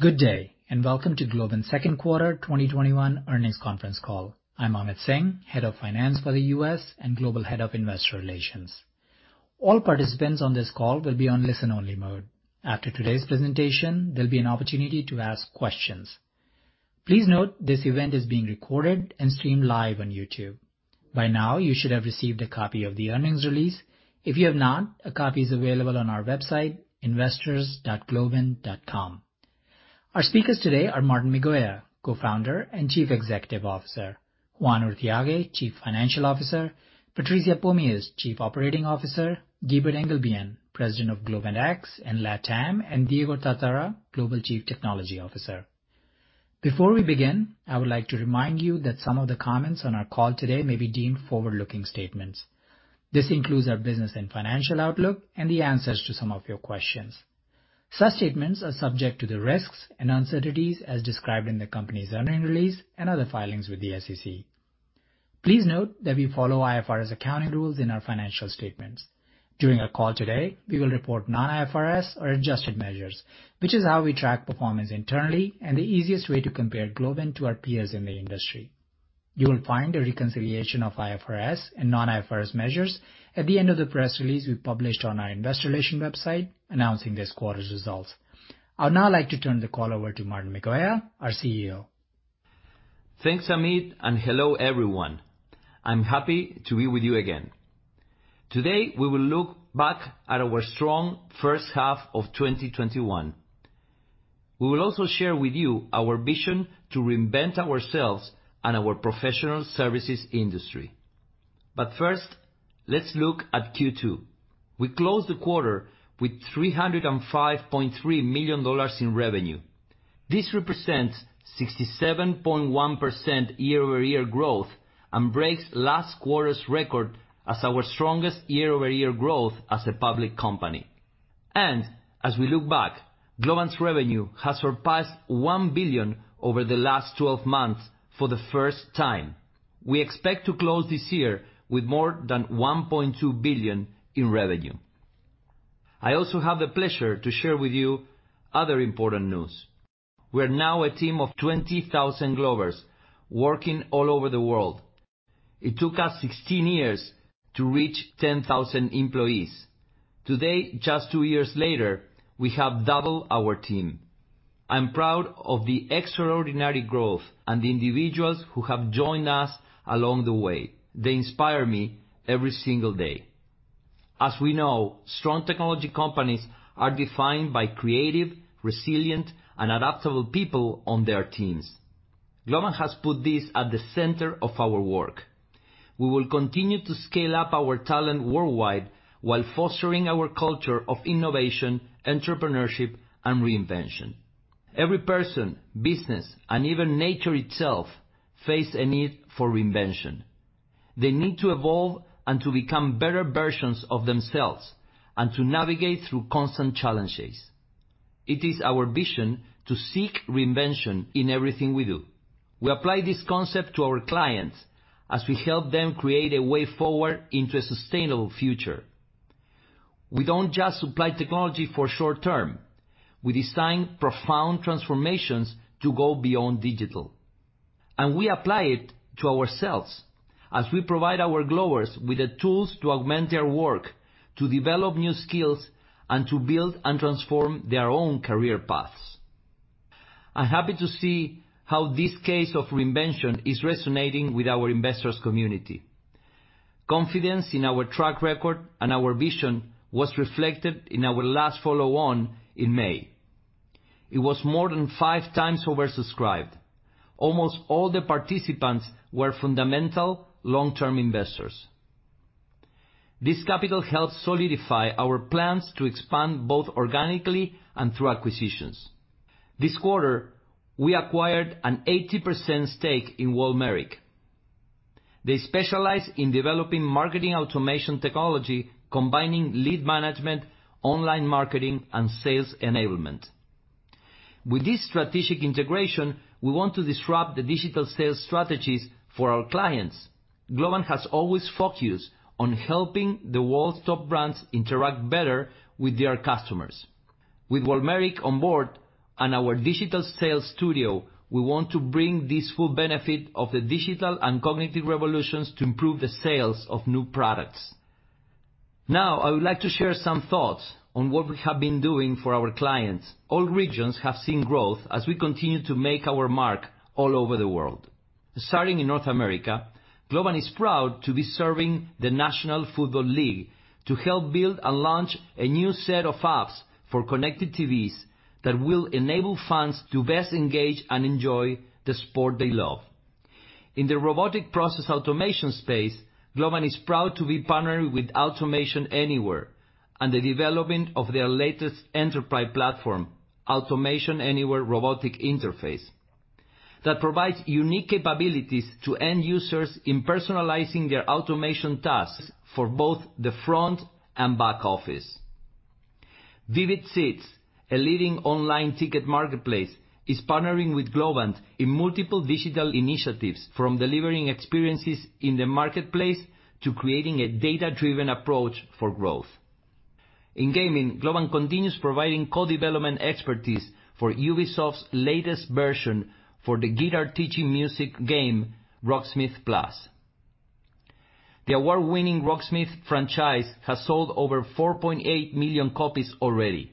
Good day, welcome to Globant Second Quarter 2021 Earnings Conference Call. I'm Amit Singh, Head of Finance for the U.S. and Global Head of Investor Relations. All participants on this call will be on listen-only mode. After today's presentation, there'll be an opportunity to ask questions. Please note this event is being recorded and streamed live on YouTube. By now, you should have received a copy of the earnings release. If you have not, a copy is available on our website investors.globant.com. Our speakers today are Martín Migoya, Co-founder and Chief Executive Officer, Juan Urthiague, Chief Financial Officer, Patricia Pomies, Chief Operating Officer, Guibert Englebienne, President of Globant X and Latam, and Diego Tartara, Global Chief Technology Officer. Before we begin, I would like to remind you that some of the comments on our call today may be deemed forward-looking statements. This includes our business and financial outlook and the answers to some of your questions. Such statements are subject to the risks and uncertainties as described in the company's earnings release and other filings with the SEC. Please note that we follow IFRS accounting rules in our financial statements. During our call today, we will report non-IFRS or adjusted measures, which is how we track performance internally and the easiest way to compare Globant to our peers in the industry. You will find a reconciliation of IFRS and non-IFRS measures at the end of the press release we published on our investor relations website announcing this quarter's results. I would now like to turn the call over to Martín Migoya, our CEO. Thanks, Amit, and hello, everyone. I'm happy to be with you again. Today, we will look back at our strong first half of 2021. We will also share with you our vision to reinvent ourselves and our professional services industry. First, let's look at Q2. We closed the quarter with $305.3 million in revenue. This represents 67.1% year-over-year growth and breaks last quarter's record as our strongest year-over-year growth as a public company. As we look back, Globant's revenue has surpassed $1 billion over the last 12 months for the first time. We expect to close this year with more than $1.2 billion in revenue. I also have the pleasure to share with you other important news. We're now a team of 20,000 Globers working all over the world. It took us 16 years to reach 10,000 employees. Today, just two years later, we have doubled our team. I'm proud of the extraordinary growth and the individuals who have joined us along the way. They inspire me every single day. As we know, strong technology companies are defined by creative, resilient, and adaptable people on their teams. Globant has put this at the center of our work. We will continue to scale up our talent worldwide while fostering our culture of innovation, entrepreneurship, and reinvention. Every person, business, and even nature itself face a need for reinvention. They need to evolve and to become better versions of themselves and to navigate through constant challenges. It is our vision to seek reinvention in everything we do. We apply this concept to our clients as we help them create a way forward into a sustainable future. We don't just supply technology for short term. We design profound transformations to go beyond digital, and we apply it to ourselves as we provide our Globers with the tools to augment their work, to develop new skills, and to build and transform their own career paths. I'm happy to see how this case of reinvention is resonating with our investors community. Confidence in our track record and our vision was reflected in our last follow-on in May. It was more than five times oversubscribed. Almost all the participants were fundamental long-term investors. This capital helped solidify our plans to expand both organically and through acquisitions. This quarter, we acquired an 80% stake in Walmeric. They specialize in developing marketing automation technology, combining lead management, online marketing, and sales enablement. With this strategic integration, we want to disrupt the digital sales strategies for our clients. Globant has always focused on helping the world's top brands interact better with their customers. With Walmeric on board and our digital sales studio, we want to bring this full benefit of the digital and cognitive revolutions to improve the sales of new products. I would like to share some thoughts on what we have been doing for our clients. All regions have seen growth as we continue to make our mark all over the world. Starting in North America, Globant is proud to be serving the National Football League to help build and launch a new set of apps for connected TVs that will enable fans to best engage and enjoy the sport they love. In the robotic process automation space, Globant is proud to be partnering with Automation Anywhere on the development of their latest enterprise platform, Automation Anywhere Robotic Interface, that provides unique capabilities to end users in personalizing their automation tasks for both the front and back office. Vivid Seats, a leading online ticket marketplace, is partnering with Globant in multiple digital initiatives, from delivering experiences in the marketplace to creating a data-driven approach for growth. In gaming, Globant continues providing co-development expertise for Ubisoft's latest version for the guitar teaching music game, Rocksmith+. The award-winning Rocksmith franchise has sold over 4.8 million copies already.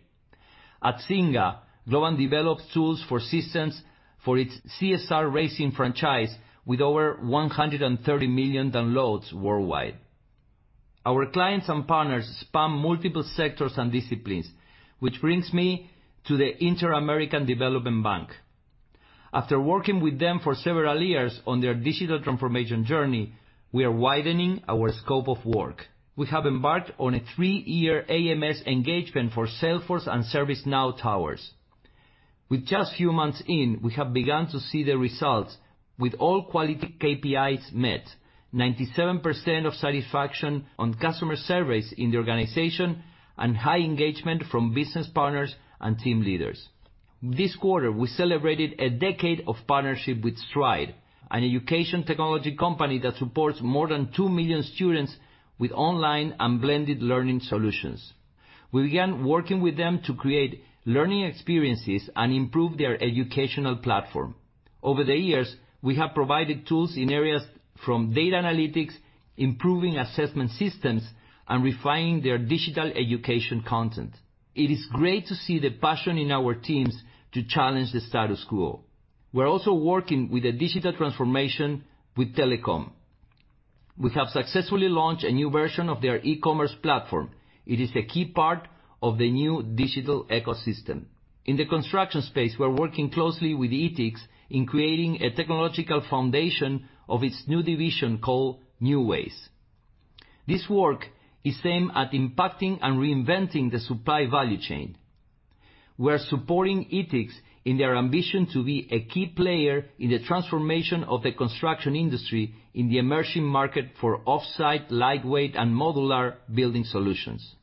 At Zynga, Globant develops tools for systems for its CSR Racing franchise, with over 130 million downloads worldwide. Our clients and partners span multiple sectors and disciplines, which brings me to the Inter-American Development Bank. After working with them for several years on their digital transformation journey, we are widening our scope of work. We have embarked on a three-year AMS engagement for Salesforce and ServiceNow towers. With just few months in, we have begun to see the results, with all quality KPIs met, 97% satisfaction on customer service in the organization, and high engagement from business partners and team leaders. This quarter, we celebrated a decade of partnership with Stride, an education technology company that supports more than two million students with online and blended learning solutions. We began working with them to create learning experiences and improve their educational platform. Over the years, we have provided tools in areas from data analytics, improving assessment systems, and refining their digital education content. It is great to see the passion in our teams to challenge the status quo. We're also working with a digital transformation with Telecom. We have successfully launched a new version of their e-commerce platform. It is a key part of the new digital ecosystem. In the construction space, we're working closely with Etex in creating a technological foundation of its new division called New Ways. This work is aimed at impacting and reinventing the supply value chain. We are supporting Etex in their ambition to be a key player in the transformation of the construction industry in the emerging market for offsite, lightweight, and modular building solutions.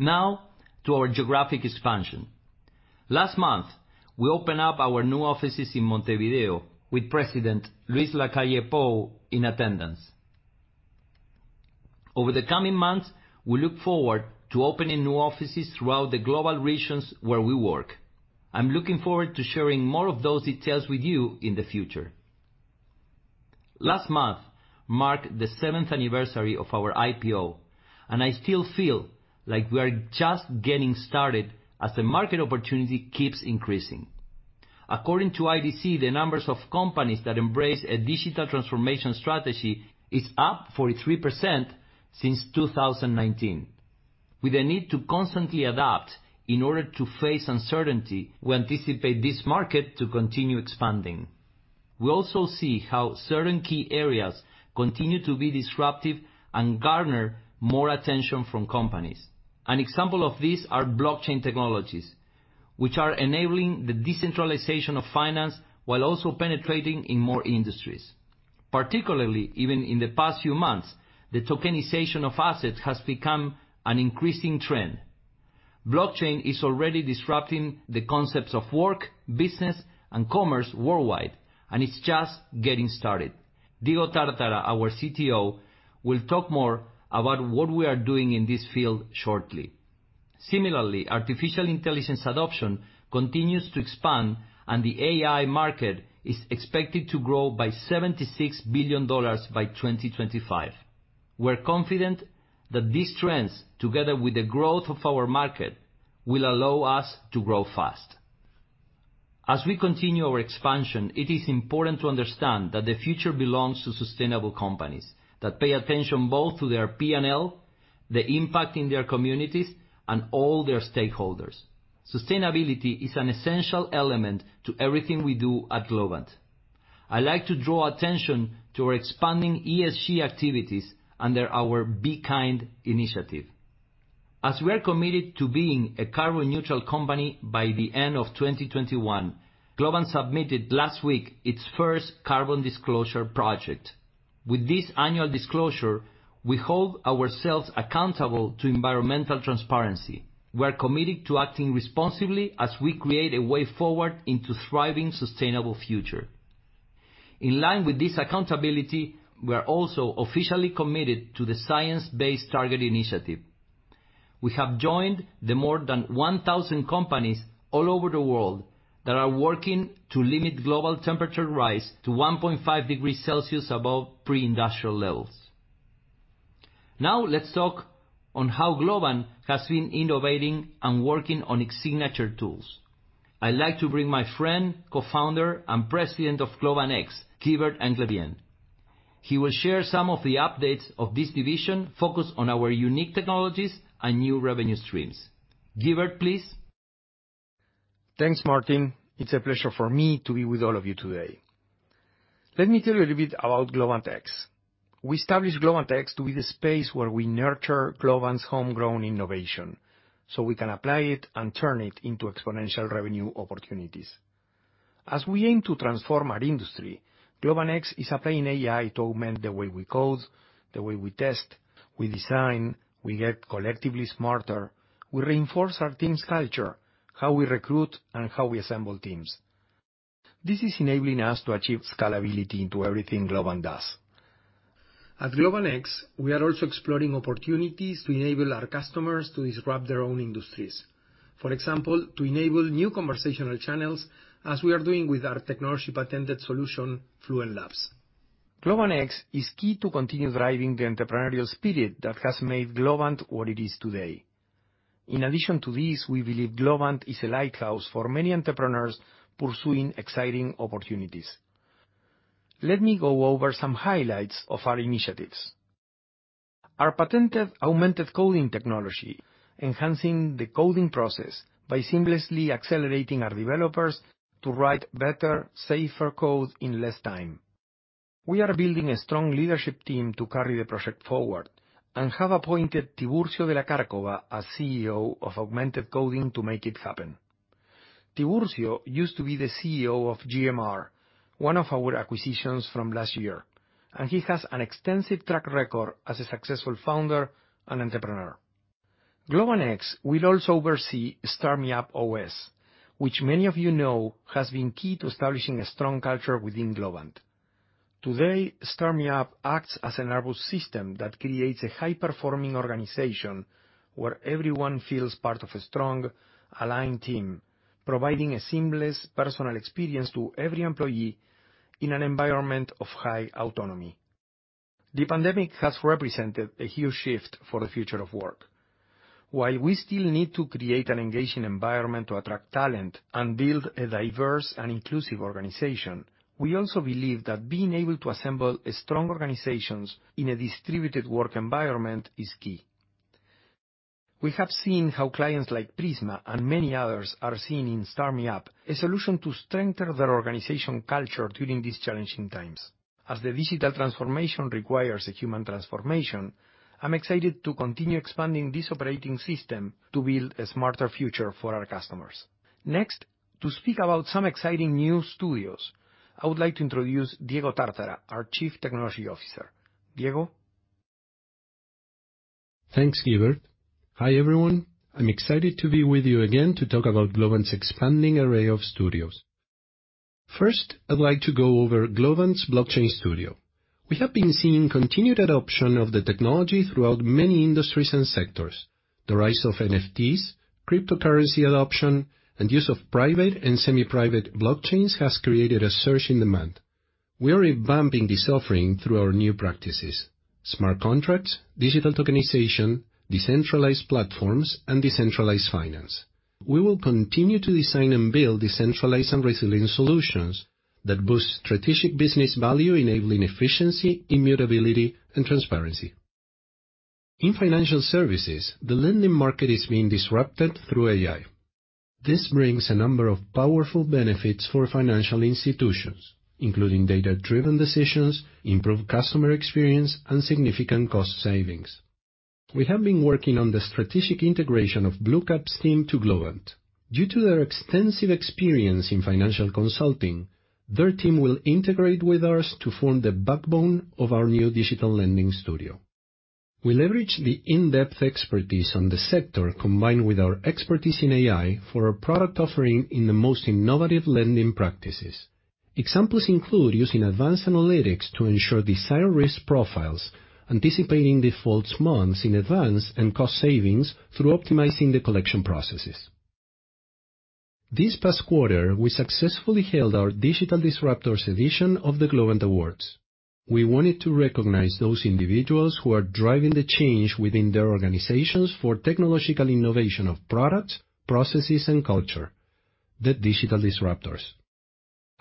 To our geographic expansion. Last month, we opened up our new offices in Montevideo with President Luis Lacalle Pou in attendance. Over the coming months, we look forward to opening new offices throughout the global regions where we work. I'm looking forward to sharing more of those details with you in the future. Last month marked the seventh anniversary of our IPO. I still feel like we are just getting started as the market opportunity keeps increasing. According to IDC, the numbers of companies that embrace a digital transformation strategy is up 43% since 2019. With the need to constantly adapt in order to face uncertainty, we anticipate this market to continue expanding. We also see how certain key areas continue to be disruptive and garner more attention from companies. An example of this are blockchain technologies, which are enabling the decentralization of finance while also penetrating in more industries. Particularly, even in the past few months, the tokenization of assets has become an increasing trend. Blockchain is already disrupting the concepts of work, business, and commerce worldwide. It's just getting started. Diego Tartara, our CTO, will talk more about what we are doing in this field shortly. Similarly, artificial intelligence adoption continues to expand. The AI market is expected to grow by $76 billion by 2025. We're confident that these trends, together with the growth of our market, will allow us to grow fast. As we continue our expansion, it is important to understand that the future belongs to sustainable companies that pay attention both to their P&L, the impact in their communities, and all their stakeholders. Sustainability is an essential element to everything we do at Globant. I'd like to draw attention to our expanding ESG activities under our Be Kind initiative. As we are committed to being a carbon neutral company by the end of 2021, Globant submitted last week its first carbon disclosure project. With this annual disclosure, we hold ourselves accountable to environmental transparency. We're committed to acting responsibly as we create a way forward into thriving, sustainable future. In line with this accountability, we are also officially committed to the Science-Based Targets initiative. We have joined the more than 1,000 companies all over the world that are working to limit global temperature rise to 1.5 degree Celsius above pre-industrial levels. Let's talk on how Globant has been innovating and working on its signature tools. I'd like to bring my friend, Co-founder, and President of Globant X, Guibert Englebienne. He will share some of the updates of this division focused on our unique technologies and new revenue streams. Guibert, please. Thanks, Martín. It's a pleasure for me to be with all of you today. Let me tell you a little bit about Globant X. We established Globant X to be the space where we nurture Globant's homegrown innovation, so we can apply it and turn it into exponential revenue opportunities. As we aim to transform our industry, Globant X is applying AI to augment the way we code, the way we test, we design, we get collectively smarter. We reinforce our team's culture, how we recruit, and how we assemble teams. This is enabling us to achieve scalability into everything Globant does. At Globant X, we are also exploring opportunities to enable our customers to disrupt their own industries. For example, to enable new conversational channels, as we are doing with our technology patented solution, FluentLab. Globant X is key to continue driving the entrepreneurial spirit that has made Globant what it is today. In addition to this, we believe Globant is a lighthouse for many entrepreneurs pursuing exciting opportunities. Let me go over some highlights of our initiatives. Our patented Augmented Coding technology, enhancing the coding process by seamlessly accelerating our developers to write better, safer code in less time. We are building a strong leadership team to carry the project forward and have appointed Tiburcio de la Cárcova as CEO of Augmented Coding to make it happen. Tiburcio used to be the CEO of GMR, one of our acquisitions from last year, and he has an extensive track record as a successful founder and entrepreneur. Globant X will also oversee StarMeUp OS, which many of you know has been key to establishing a strong culture within Globant. Today, StarMeUp acts as a nervous system that creates a high-performing organization where everyone feels part of a strong, aligned team, providing a seamless personal experience to every employee in an environment of high autonomy. The pandemic has represented a huge shift for the future of work. While we still need to create an engaging environment to attract talent and build a diverse and inclusive organization, we also believe that being able to assemble strong organizations in a distributed work environment is key. We have seen how clients like Prisma and many others are seeing in StarMeUp a solution to strengthen their organization culture during these challenging times. As the digital transformation requires a human transformation, I'm excited to continue expanding this operating system to build a smarter future for our customers. Next, to speak about some exciting new studios, I would like to introduce Diego Tartara, our Chief Technology Officer. Diego? Thanks, Guibert. Hi, everyone. I'm excited to be with you again to talk about Globant's expanding array of studios. First, I'd like to go over Globant's blockchain studio. We have been seeing continued adoption of the technology throughout many industries and sectors. The rise of NFTs, cryptocurrency adoption, and use of private and semi-private blockchains has created a surge in demand. We are revamping this offering through our new practices, smart contracts, digital tokenization, decentralized platforms, and decentralized finance. We will continue to design and build decentralized and resilient solutions that boost strategic business value enabling efficiency, immutability, and transparency. In financial services, the lending market is being disrupted through AI. This brings a number of powerful benefits for financial institutions, including data-driven decisions, improved customer experience, and significant cost savings. We have been working on the strategic integration of Bluecap's team to Globant. Due to their extensive experience in financial consulting, their team will integrate with ours to form the backbone of our new digital lending studio. We leverage the in-depth expertise on the sector, combined with our expertise in AI for our product offering in the most innovative lending practices. Examples include using advanced analytics to ensure desired risk profiles, anticipating defaults months in advance, and cost savings through optimizing the collection processes. This past quarter, we successfully held our Digital Disruptors edition of the Globant Awards. We wanted to recognize those individuals who are driving the change within their organizations for technological innovation of products, processes, and culture, the digital disruptors.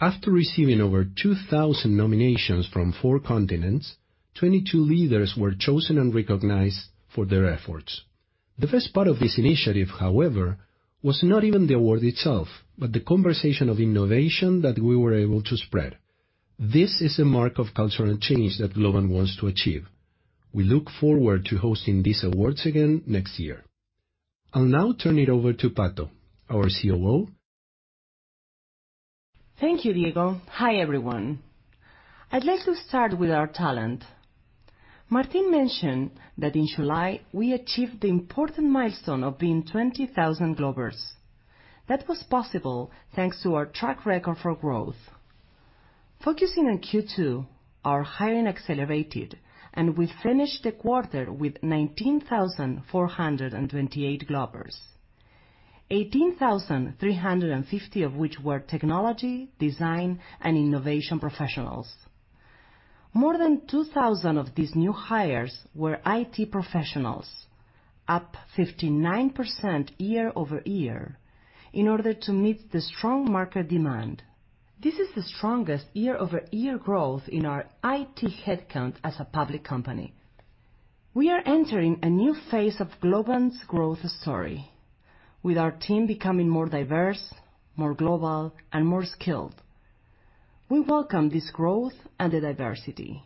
After receiving over 2,000 nominations from four continents, 22 leaders were chosen and recognized for their efforts. The best part of this initiative, however, was not even the award itself, but the conversation of innovation that we were able to spread. This is a mark of cultural change that Globant wants to achieve. We look forward to hosting these awards again next year. I'll now turn it over to Pato, our COO. Thank you, Diego. Hi, everyone. I'd like to start with our talent. Martín mentioned that in July, we achieved the important milestone of being 20,000 Globers. That was possible thanks to our track record for growth. Focusing on Q2, our hiring accelerated, and we finished the quarter with 19,428 Globers, 18,350 of which were technology, design, and innovation professionals. More than 2,000 of these new hires were IT professionals, up 59% year-over-year, in order to meet the strong market demand. This is the strongest year-over-year growth in our IT headcount as a public company. We are entering a new phase of Globant's growth story, with our team becoming more diverse, more global, and more skilled. We welcome this growth and the diversity.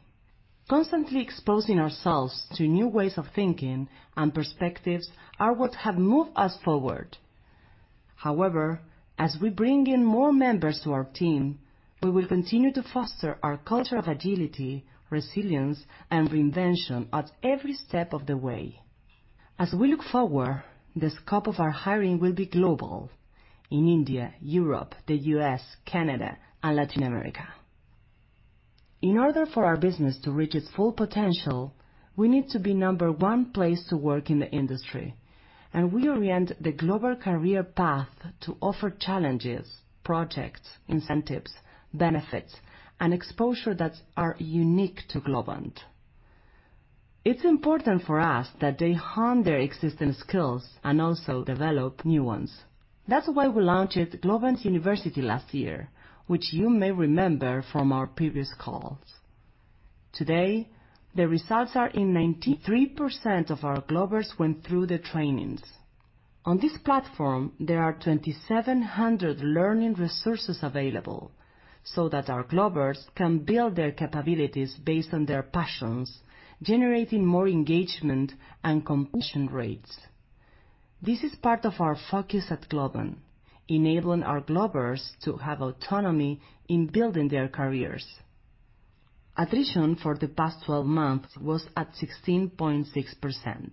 Constantly exposing ourselves to new ways of thinking and perspectives are what have moved us forward. However, as we bring in more members to our team, we will continue to foster our culture of agility, resilience, and reinvention at every step of the way. As we look forward, the scope of our hiring will be global, in India, Europe, the U.S., Canada, and Latin America. In order for our business to reach its full potential, we need to be number one place to work in the industry. We orient the global career path to offer challenges, projects, incentives, benefits, and exposure that are unique to Globant. It's important for us that they hone their existing skills and also develop new ones. That's why we launched Globant University last year, which you may remember from our previous calls. Today, the results are in. 93% of our Globers went through the trainings. On this platform, there are 2,700 learning resources available so that our Globers can build their capabilities based on their passions, generating more engagement and completion rates. This is part of our focus at Globant, enabling our Globers to have autonomy in building their careers. Attrition for the past 12 months was at 16.6%.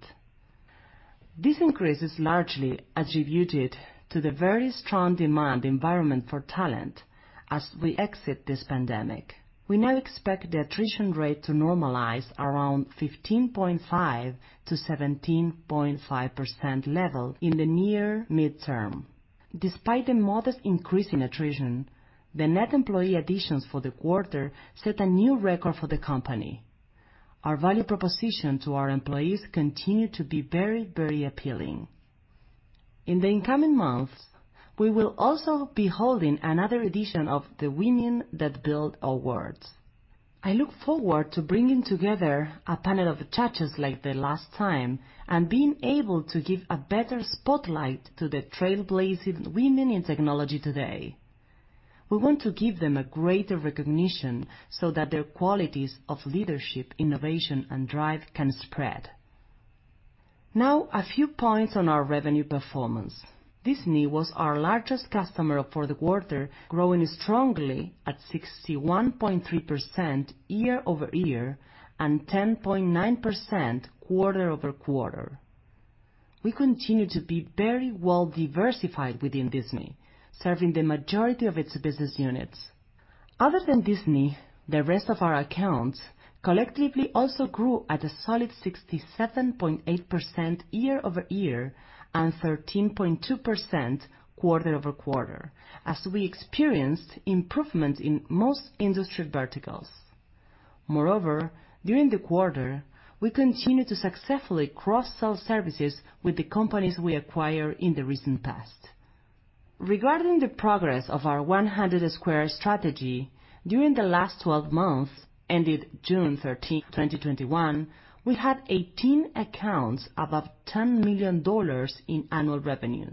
This increase is largely attributed to the very strong demand environment for talent as we exit this pandemic. We now expect the attrition rate to normalize around 15.5%-17.5% level in the near midterm. Despite the modest increase in attrition, the net employee additions for the quarter set a new record for the company. Our value proposition to our employees continue to be very appealing. In the incoming months, we will also be holding another edition of the Women That Build Awards. I look forward to bringing together a panel of judges like the last time and being able to give a better spotlight to the trailblazing women in technology today. We want to give them a greater recognition so that their qualities of leadership, innovation, and drive can spread. Now, a few points on our revenue performance. Disney was our largest customer for the quarter, growing strongly at 61.3% year-over-year and 10.9% quarter-over-quarter. We continue to be very well diversified within Disney, serving the majority of its business units. Other than Disney, the rest of our accounts collectively also grew at a solid 67.8% year-over-year and 13.2% quarter-over-quarter, as we experienced improvement in most industry verticals. Moreover, during the quarter, we continued to successfully cross-sell services with the companies we acquired in the recent past. Regarding the progress of our 100 Squared strategy, during the last 12 months ended June 13th, 2021, we had 18 accounts above $10 million in annual revenue,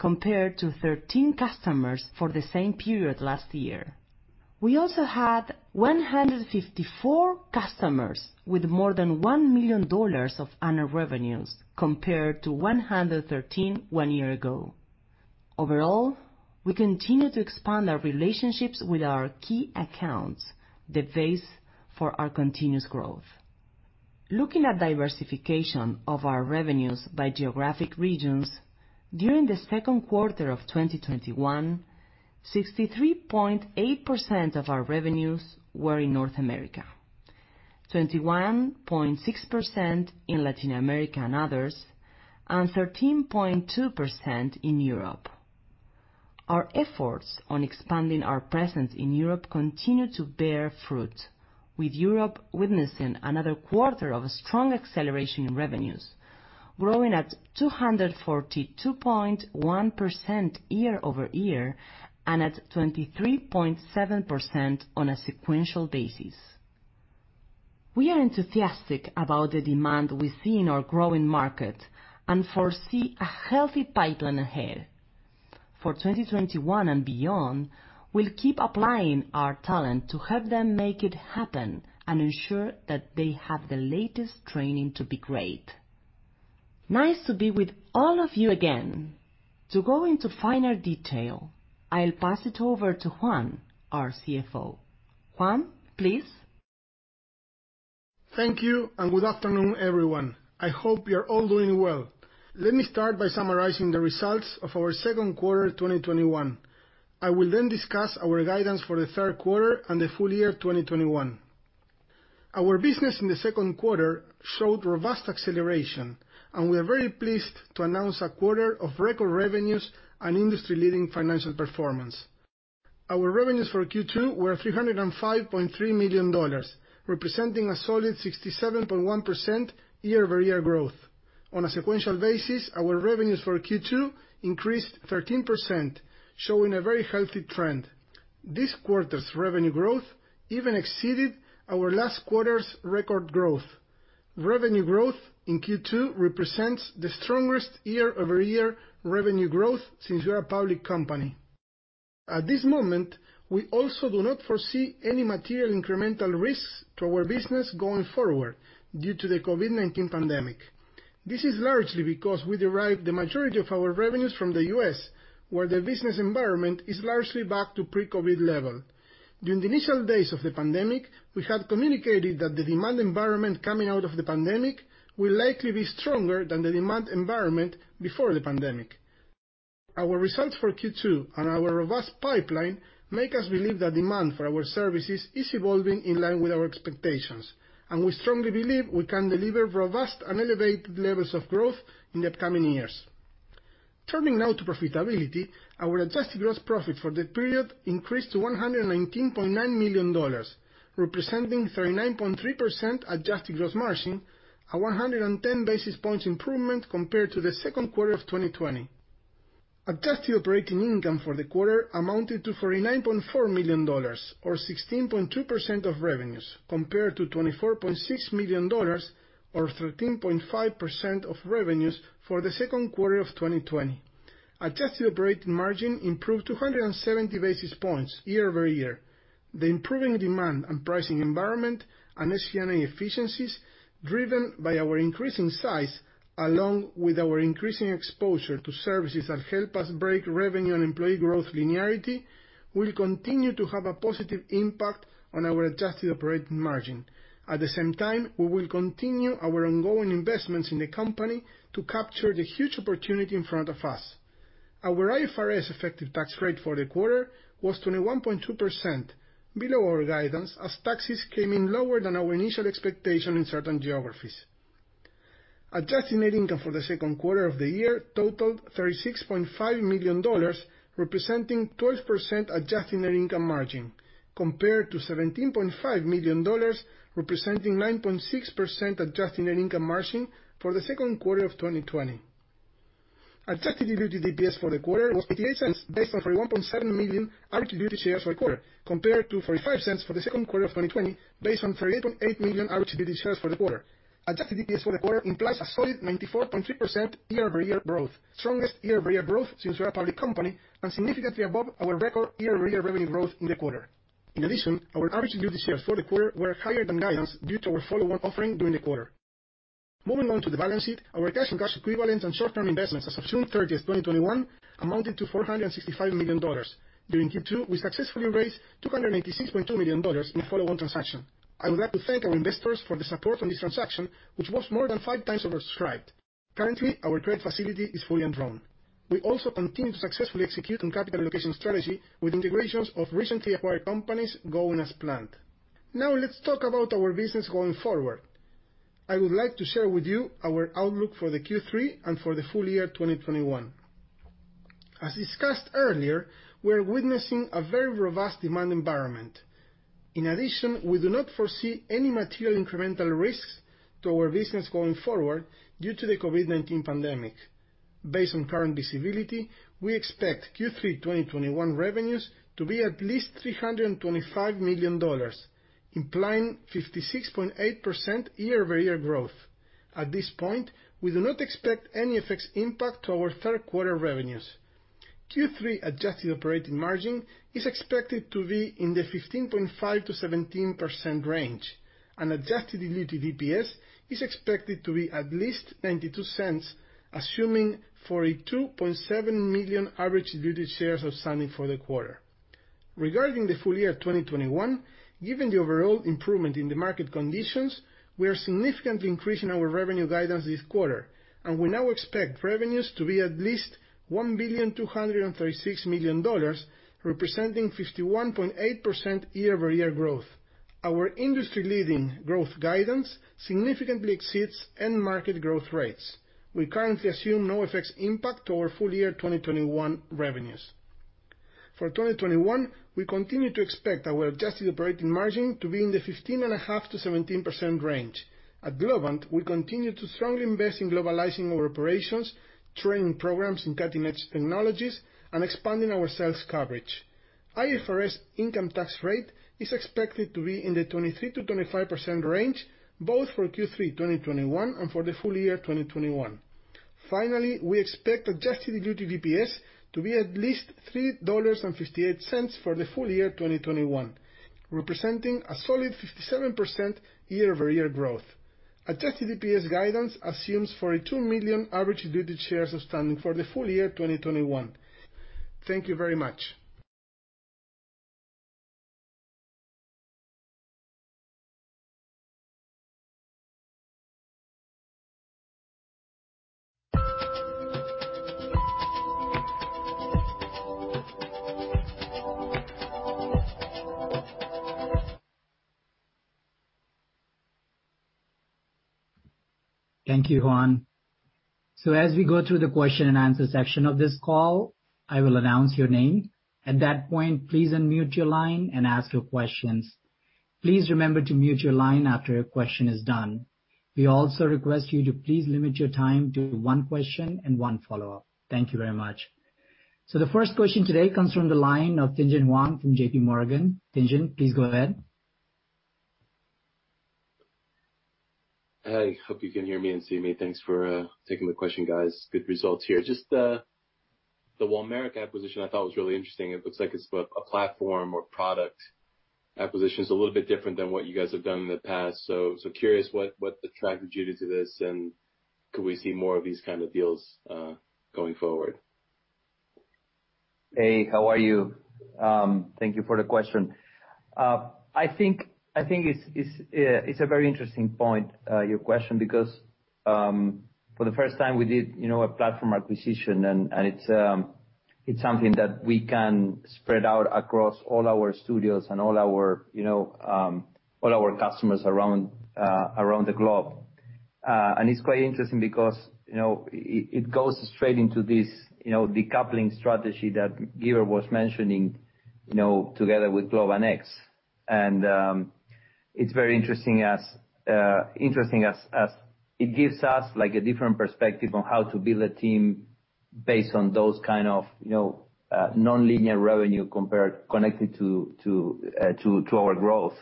compared to 13 customers for the same period last year. We also had 154 customers with more than $1 million of annual revenues, compared to 113 one year ago. Overall, we continue to expand our relationships with our key accounts, the base for our continuous growth. Looking at diversification of our revenues by geographic regions, during the second quarter of 2021, 63.8% of our revenues were in North America, 21.6% in Latin America and others, and 13.2% in Europe. Our efforts on expanding our presence in Europe continue to bear fruit, with Europe witnessing another quarter of strong acceleration in revenues, growing at 242.1% year-over-year and at 23.7% on a sequential basis. We are enthusiastic about the demand we see in our growing market and foresee a healthy pipeline ahead. For 2021 and beyond, we'll keep applying our talent to help them make it happen and ensure that they have the latest training to be great. Nice to be with all of you again. To go into finer detail, I'll pass it over to Juan, our CFO. Juan, please. Thank you, good afternoon, everyone. I hope you're all doing well. Let me start by summarizing the results of our second quarter 2021. I will discuss our guidance for the third quarter and the full year 2021. Our business in the second quarter showed robust acceleration, and we are very pleased to announce a quarter of record revenues and industry-leading financial performance. Our revenues for Q2 were $305.3 million, representing a solid 67.1% year-over-year growth. On a sequential basis, our revenues for Q2 increased 13%, showing a very healthy trend. This quarter's revenue growth even exceeded our last quarter's record growth. Revenue growth in Q2 represents the strongest year-over-year revenue growth since we are a public company. At this moment, we also do not foresee any material incremental risks to our business going forward due to the COVID-19 pandemic. This is largely because we derive the majority of our revenues from the U.S., where the business environment is largely back to pre-COVID level. During the initial days of the pandemic, we had communicated that the demand environment coming out of the pandemic will likely be stronger than the demand environment before the pandemic. Our results for Q2 and our robust pipeline make us believe that demand for our services is evolving in line with our expectations, and we strongly believe we can deliver robust and elevated levels of growth in the upcoming years. Turning now to profitability, our adjusted gross profit for the period increased to $119.9 million, representing 39.3% adjusted gross margin, a 110 basis points improvement compared to the second quarter of 2020. Adjusted operating income for the quarter amounted to $49.4 million, or 16.2% of revenues, compared to $24.6 million, or 13.5% of revenues for the second quarter of 2020. Adjusted operating margin improved 270 basis points year-over-year. The improving demand and pricing environment and SG&A efficiencies driven by our increasing size, along with our increasing exposure to services that help us break revenue and employee growth linearity, will continue to have a positive impact on our adjusted operating margin. At the same time, we will continue our ongoing investments in the company to capture the huge opportunity in front of us. Our IFRS effective tax rate for the quarter was 21.2%, below our guidance, as taxes came in lower than our initial expectation in certain geographies. Adjusted net income for the second quarter of the year totaled $36.5 million, representing 12% adjusted net income margin, compared to $17.5 million, representing 9.6% adjusted net income margin for the second quarter of 2020. Adjusted diluted EPS for the quarter was $0.88 based on 41.7 million average diluted shares for the quarter, compared to $0.45 for the second quarter of 2020 based on 38.8 million average diluted shares for the quarter. Adjusted EPS for the quarter implies a solid 94.3% year-over-year growth, strongest year-over-year growth since we're a public company, and significantly above our record year-over-year revenue growth in the quarter. In addition, our average diluted shares for the quarter were higher than guidance due to our follow-on offering during the quarter. Moving on to the balance sheet, our cash and cash equivalents and short-term investments as of June 30th, 2021 amounted to $465 million. During Q2, we successfully raised $286.2 million in a follow-on transaction. I would like to thank our investors for the support on this transaction, which was more than five times oversubscribed. Currently, our credit facility is fully undrawn. We also continue to successfully execute on capital allocation strategy with integrations of recently acquired companies going as planned. Now let's talk about our business going forward. I would like to share with you our outlook for the Q3 and for the full year 2021. As discussed earlier, we are witnessing a very robust demand environment. In addition, we do not foresee any material incremental risks to our business going forward due to the COVID-19 pandemic. Based on current visibility, we expect Q3 2021 revenues to be at least $325 million, implying 56.8% year-over-year growth. At this point, we do not expect any FX impact to our third quarter revenues. Q3 adjusted operating margin is expected to be in the 15.5%-17% range, and adjusted diluted EPS is expected to be at least $0.92, assuming 42.7 million average diluted shares outstanding for the quarter. Regarding the full year 2021, given the overall improvement in the market conditions, we are significantly increasing our revenue guidance this quarter. We now expect revenues to be at least $1,236,000,000 representing 51.8% year-over-year growth. Our industry-leading growth guidance significantly exceeds end market growth rates. We currently assume no FX impact to our full year 2021 revenues. For 2021, we continue to expect our adjusted operating margin to be in the 15.5%-17% range. At Globant, we continue to strongly invest in globalizing our operations, training programs in cutting-edge technologies, and expanding our sales coverage. IFRS income tax rate is expected to be in the 23%-25% range, both for Q3 2021 and for the full year 2021. Finally, we expect adjusted diluted EPS to be at least $3.58 for the full year 2021, representing a solid 57% year-over-year growth. Adjusted EPS guidance assumes 42 million average diluted shares outstanding for the full year 2021. Thank you very much. Thank you, Juan. As we go through the question and answer section of this call, I will announce your name. At that point, please unmute your line and ask your questions. Please remember to mute your line after your question is done. We also request you to please limit your time to one question and one follow-up. Thank you very much. The first question today comes from the line of Tien-Tsin Huang from JPMorgan. Tien-Tsin, please go ahead. Hey, hope you can hear me and see me. Thanks for taking the question, guys. Good results here. Just the Walmeric acquisition I thought was really interesting. It looks like it's a platform or product acquisition. It's a little bit different than what you guys have done in the past. Curious what attracted you to this, and could we see more of these kind of deals going forward? Hey, how are you? Thank you for the question. I think it's a very interesting point, your question, because for the first time we did a platform acquisition and it's something that we can spread out across all our studios and all our customers around the globe. It's quite interesting because it goes straight into this decoupling strategy that Guibert was mentioning together with Globant X. It's very interesting as it gives us a different perspective on how to build a team based on those kind of nonlinear revenue connected to our growth.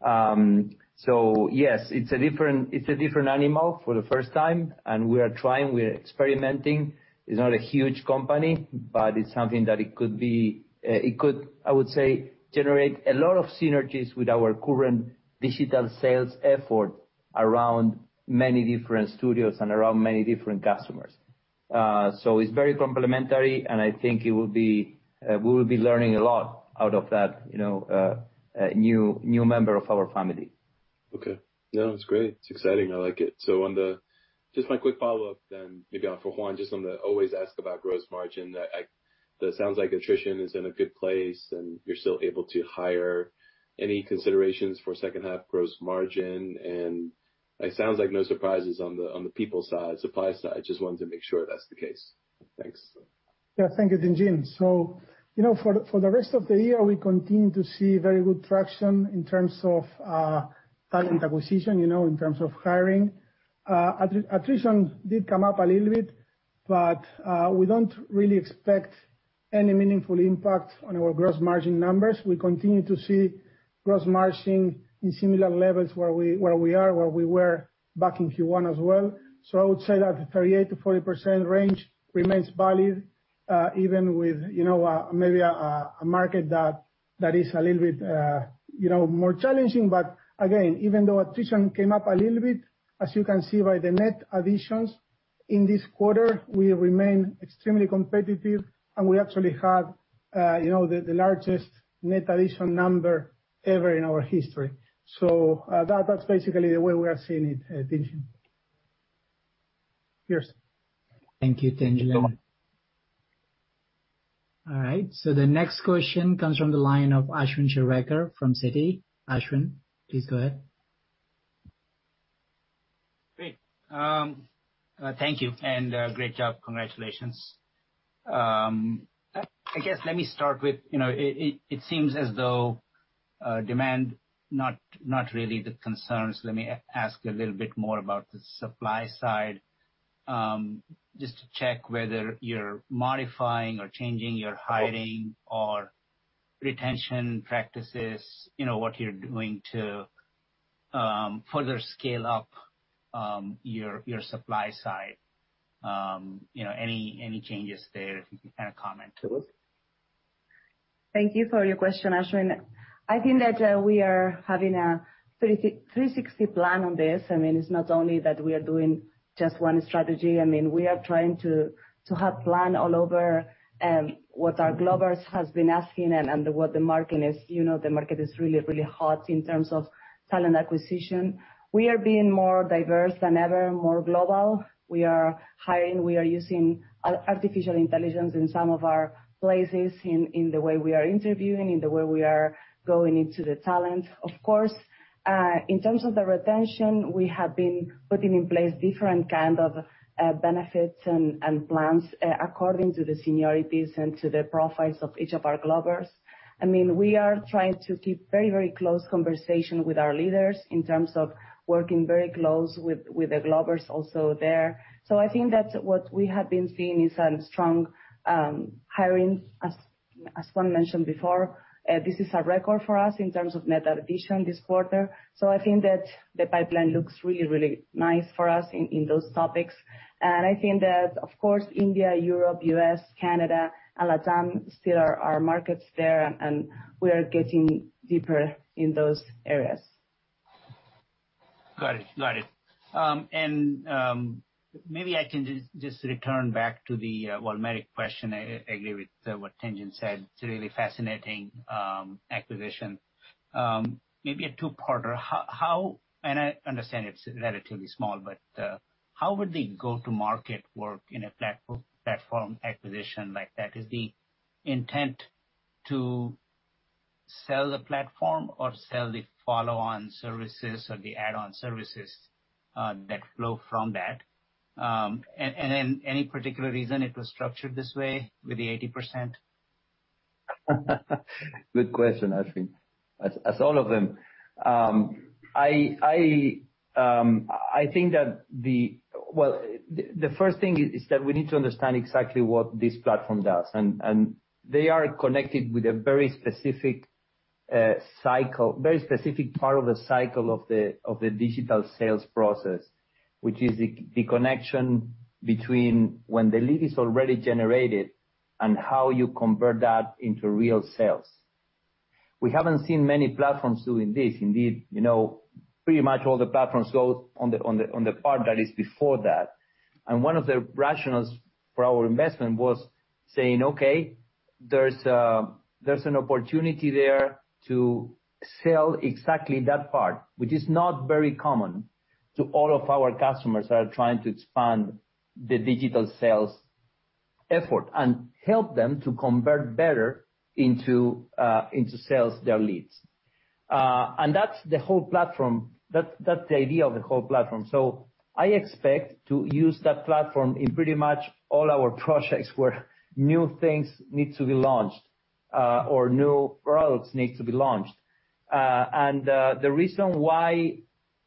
Yes, it's a different animal for the first time, and we are trying, we are experimenting. It's not a huge company, but it's something that it could, I would say, generate a lot of synergies with our current digital sales effort around many different studios and around many different customers. It's very complementary, and I think we will be learning a lot out of that new member of our family. Okay. No, it's great. It's exciting, I like it. Just my quick follow-up then, maybe for Juan, just on the always ask about gross margin. That sounds like attrition is in a good place and you're still able to hire. Any considerations for second half gross margin? It sounds like no surprises on the people side, supply side. Just wanted to make sure that's the case. Thanks. Yeah, thank you, Tien-Tsin. For the rest of the year, we continue to see very good traction in terms of talent acquisition, in terms of hiring. Attrition did come up a little bit, but we don't really expect any meaningful impact on our gross margin numbers. We continue to see gross margin in similar levels where we are, where we were back in Q1 as well. I would say that 38%-40% range remains valid, even with maybe a market that is a little bit more challenging. Again, even though attrition came up a little bit, as you can see by the net additions in this quarter, we remain extremely competitive and we actually have the largest net addition number ever in our history. That's basically the way we are seeing it, Tien-Tsin. Cheers. Thank you, Tien-Tsin. All right, the next question comes from the line of Ashwin Shirvaikar from Citi. Ashwin, please go ahead. Great. Thank you, and great job. Congratulations. I guess let me start with, it seems as though demand, not really the concerns. Let me ask a little bit more about the supply side, just to check whether you're modifying or changing your hiring or retention practices, what you're doing to further scale up your supply side. Any changes there? If you can comment. Thank you for your question, Ashwin. I think that we are having a 360 plan on this. It's not only that we are doing just one strategy. We are trying to have plan all over what our Globers has been asking and what the market is. The market is really hot in terms of talent acquisition. We are being more diverse than ever, more global. We are hiring, we are using artificial intelligence in some of our places, in the way we are interviewing, in the way we are going into the talent. Of course, in terms of the retention, we have been putting in place different kind of benefits and plans according to the seniorities and to the profiles of each of our Globers. We are trying to keep very close conversation with our leaders in terms of working very close with the Globers also there. I think that what we have been seeing is a strong hiring, as Juan mentioned before. This is a record for us in terms of net addition this quarter. I think that the pipeline looks really nice for us in those topics. I think that, of course, India, Europe, U.S., Canada, LATAM still are our markets there, and we are getting deeper in those areas. Got it. Maybe I can just return back to the Walmeric question. I agree with what Tien-Tsin said. It's a really fascinating acquisition. Maybe a two-parter. I understand it's relatively small, but how would the go-to-market work in a platform acquisition like that? Is the intent to sell the platform or sell the follow-on services or the add-on services that flow from that? Then any particular reason it was structured this way with the 80%? Good question, Ashwin, as all of them. The first thing is that we need to understand exactly what this platform does. They are connected with a very specific part of the cycle of the digital sales process, which is the connection between when the lead is already generated and how you convert that into real sales. We haven't seen many platforms doing this. Indeed, pretty much all the platforms go on the part that is before that. One of the rationales for our investment was saying, okay, there's an opportunity there to sell exactly that part, which is not very common to all of our customers that are trying to expand the digital sales effort, and help them to convert better into sales their leads. That's the idea of the whole platform. I expect to use that platform in pretty much all our projects where new things need to be launched or new products need to be launched. The reason why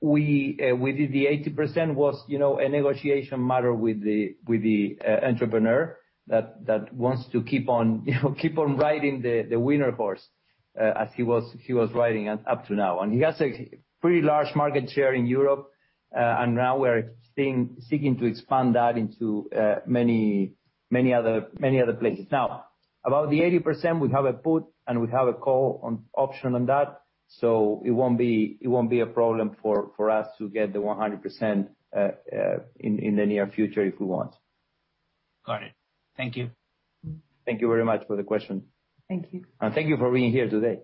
we did the 80% was a negotiation matter with the entrepreneur that wants to keep on riding the winner horse as he was riding up to now. He has a pretty large market share in Europe, and now we're seeking to expand that into many other places. About the 80%, we have a put, and we have a call on option on that, so it won't be a problem for us to get the 100% in the near future if we want. Got it. Thank you. Thank you very much for the question. Thank you. Thank you for being here today.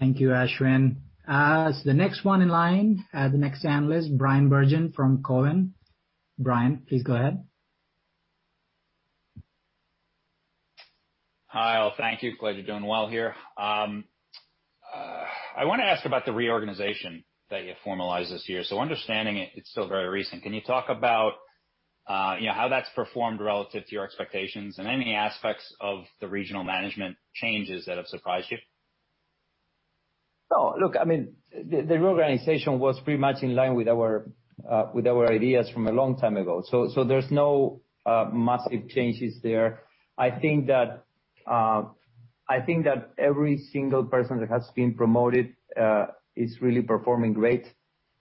Thank you, Ashwin. The next one in line, the next analyst, Bryan Bergin from Cowen. Bryan, please go ahead. Hi, all. Thank you. Glad you're doing well here. I want to ask about the reorganization that you formalized this year. Understanding it's still very recent, can you talk about how that's performed relative to your expectations and any aspects of the regional management changes that have surprised you? The reorganization was pretty much in line with our ideas from a long time ago. There's no massive changes there. I think that every single person that has been promoted is really performing great.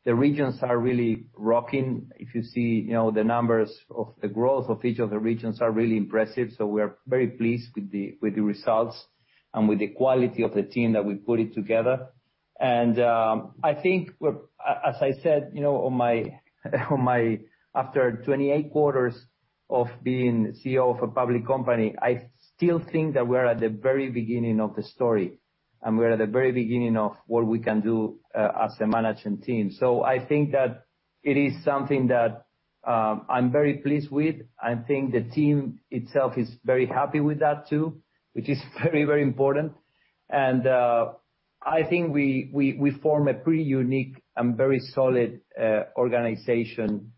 The regions are really rocking. If you see the numbers of the growth of each of the regions are really impressive. We are very pleased with the results and with the quality of the team that we put together. I think, as I said, after 28 quarters of being CEO of a public company, I still think that we're at the very beginning of the story, and we're at the very beginning of what we can do as a management team. I think that it is something that I'm very pleased with. I think the team itself is very happy with that too, which is very important. I think we form a pretty unique and very solid organization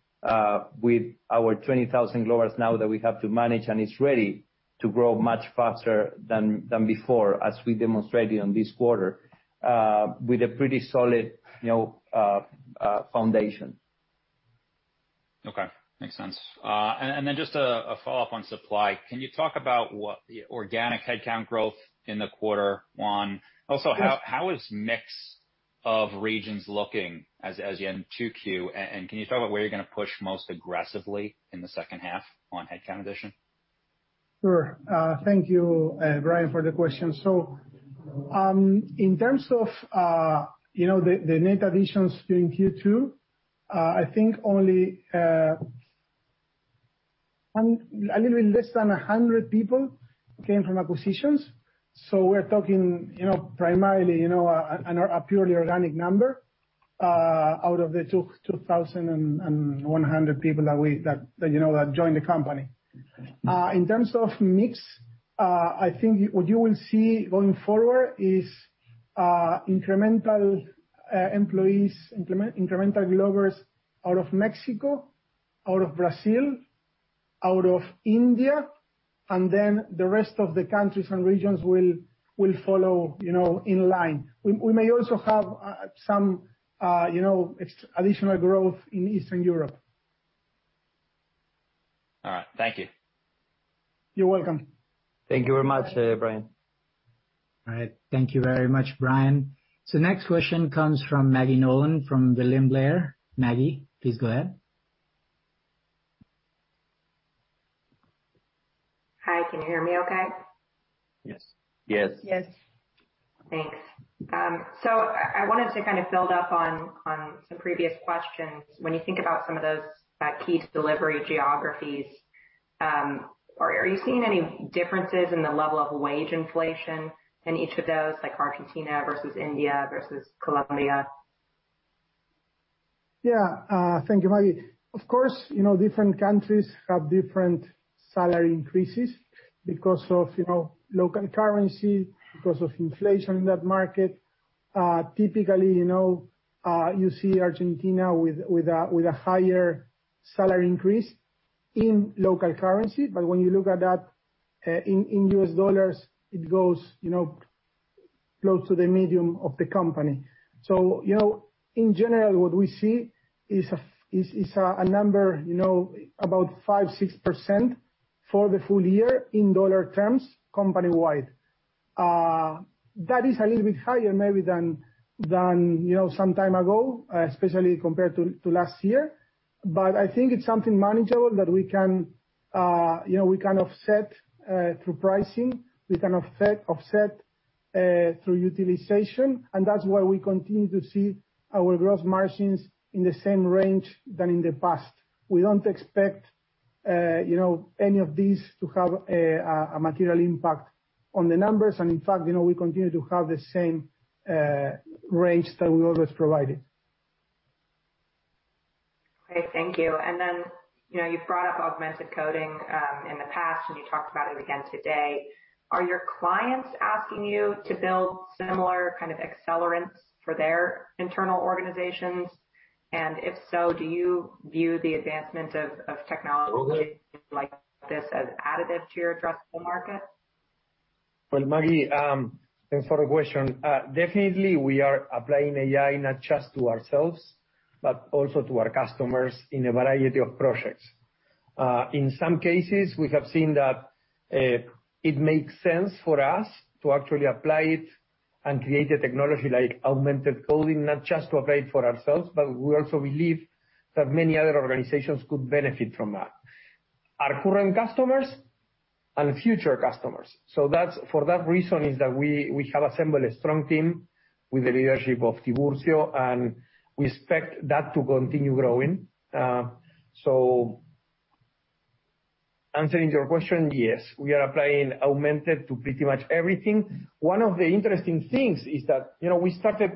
with our 20,000 Globers now that we have to manage, and it's ready to grow much faster than before, as we demonstrated on this quarter with a pretty solid foundation. Okay. Makes sense. Just a follow-up on supply. Can you talk about what the organic headcount growth in the quarter, Juan? How is mix of regions looking as you end 2Q? Can you talk about where you're going to push most aggressively in the second half on headcount addition? Sure. Thank you, Bryan, for the question. In terms of the net additions during Q2, I think only a little less than 100 people came from acquisitions. We're talking primarily a purely organic number out of the 2,100 people that joined the company. In terms of mix, I think what you will see going forward is incremental employees, incremental Globers out of Mexico, out of Brazil, out of India, and then the rest of the countries and regions will follow in line. We may also have some additional growth in Eastern Europe. All right. Thank you. You're welcome. Thank you very much, Bryan. All right. Thank you very much, Bryan. Next question comes from Maggie Nolan from William Blair. Maggie, please go ahead. Hi, can you hear me okay? Yes. Yes. Yes. Thanks. I wanted to build up on some previous questions. When you think about some of those key delivery geographies, are you seeing any differences in the level of wage inflation in each of those, like Argentina versus India versus Colombia? Yeah. Thank you, Maggie. Of course, different countries have different salary increases because of local currency, because of inflation in that market Typically, you see Argentina with a higher salary increase in local currency. When you look at that in U.S. dollars, it goes close to the medium of the company. In general, what we see is a number about 5%, 6% for the full year in dollar terms company-wide. That is a little bit higher maybe than some time ago, especially compared to last year. I think it's something manageable that we can offset through pricing, we can offset through utilization, and that's why we continue to see our gross margins in the same range than in the past. We don't expect any of these to have a material impact on the numbers, and in fact, we continue to have the same range that we always provided. Okay. Thank you. Then, you've brought up Augmented Coding in the past, and you talked about it again today. Are your clients asking you to build similar kind of accelerants for their internal organizations? If so, do you view the advancement of technology like this as additive to your addressable market? Well, Maggie, thanks for the question. Definitely, we are applying AI not just to ourselves, but also to our customers in a variety of projects. In some cases, we have seen that it makes sense for us to actually apply it and create a technology like Augmented Coding, not just to apply it for ourselves, but we also believe that many other organizations could benefit from that, our current customers and future customers. For that reason is that we have assembled a strong team with the leadership of Tiburcio, and we expect that to continue growing. Answering your question, yes, we are applying augmented to pretty much everything. One of the interesting things is that, we started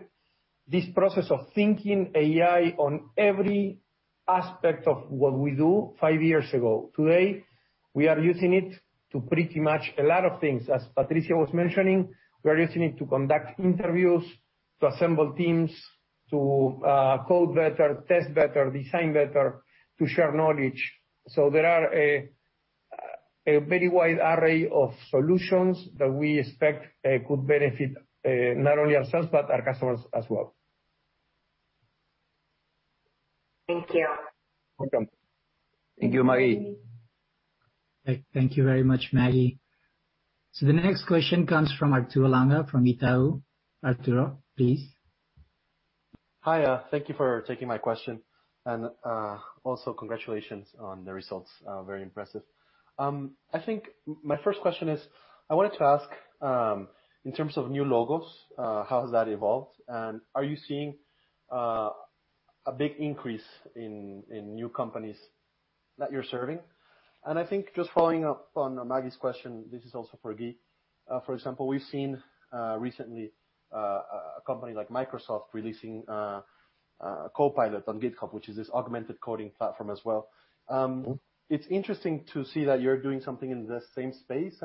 this process of thinking AI on every aspect of what we do five years ago. Today, we are using it to pretty much a lot of things. As Patricia was mentioning, we are using it to conduct interviews, to assemble teams, to code better, test better, design better, to share knowledge. There are a very wide array of solutions that we expect could benefit, not only ourselves, but our customers as well. Thank you. Welcome. Thank you, Maggie. Thank you very much, Maggie. The next question comes from Arturo Langa from Itaú. Arturo, please. Hi. Thank you for taking my question, also congratulations on the results. Very impressive. I think my first question is, I wanted to ask, in terms of new logos, how has that evolved? Are you seeing a big increase in new companies that you're serving? I think just following up on Maggie's question, this is also for Gui. For example, we've seen recently a company like Microsoft releasing Copilot on GitHub, which is this Augmented Coding platform as well. It's interesting to see that you're doing something in the same space,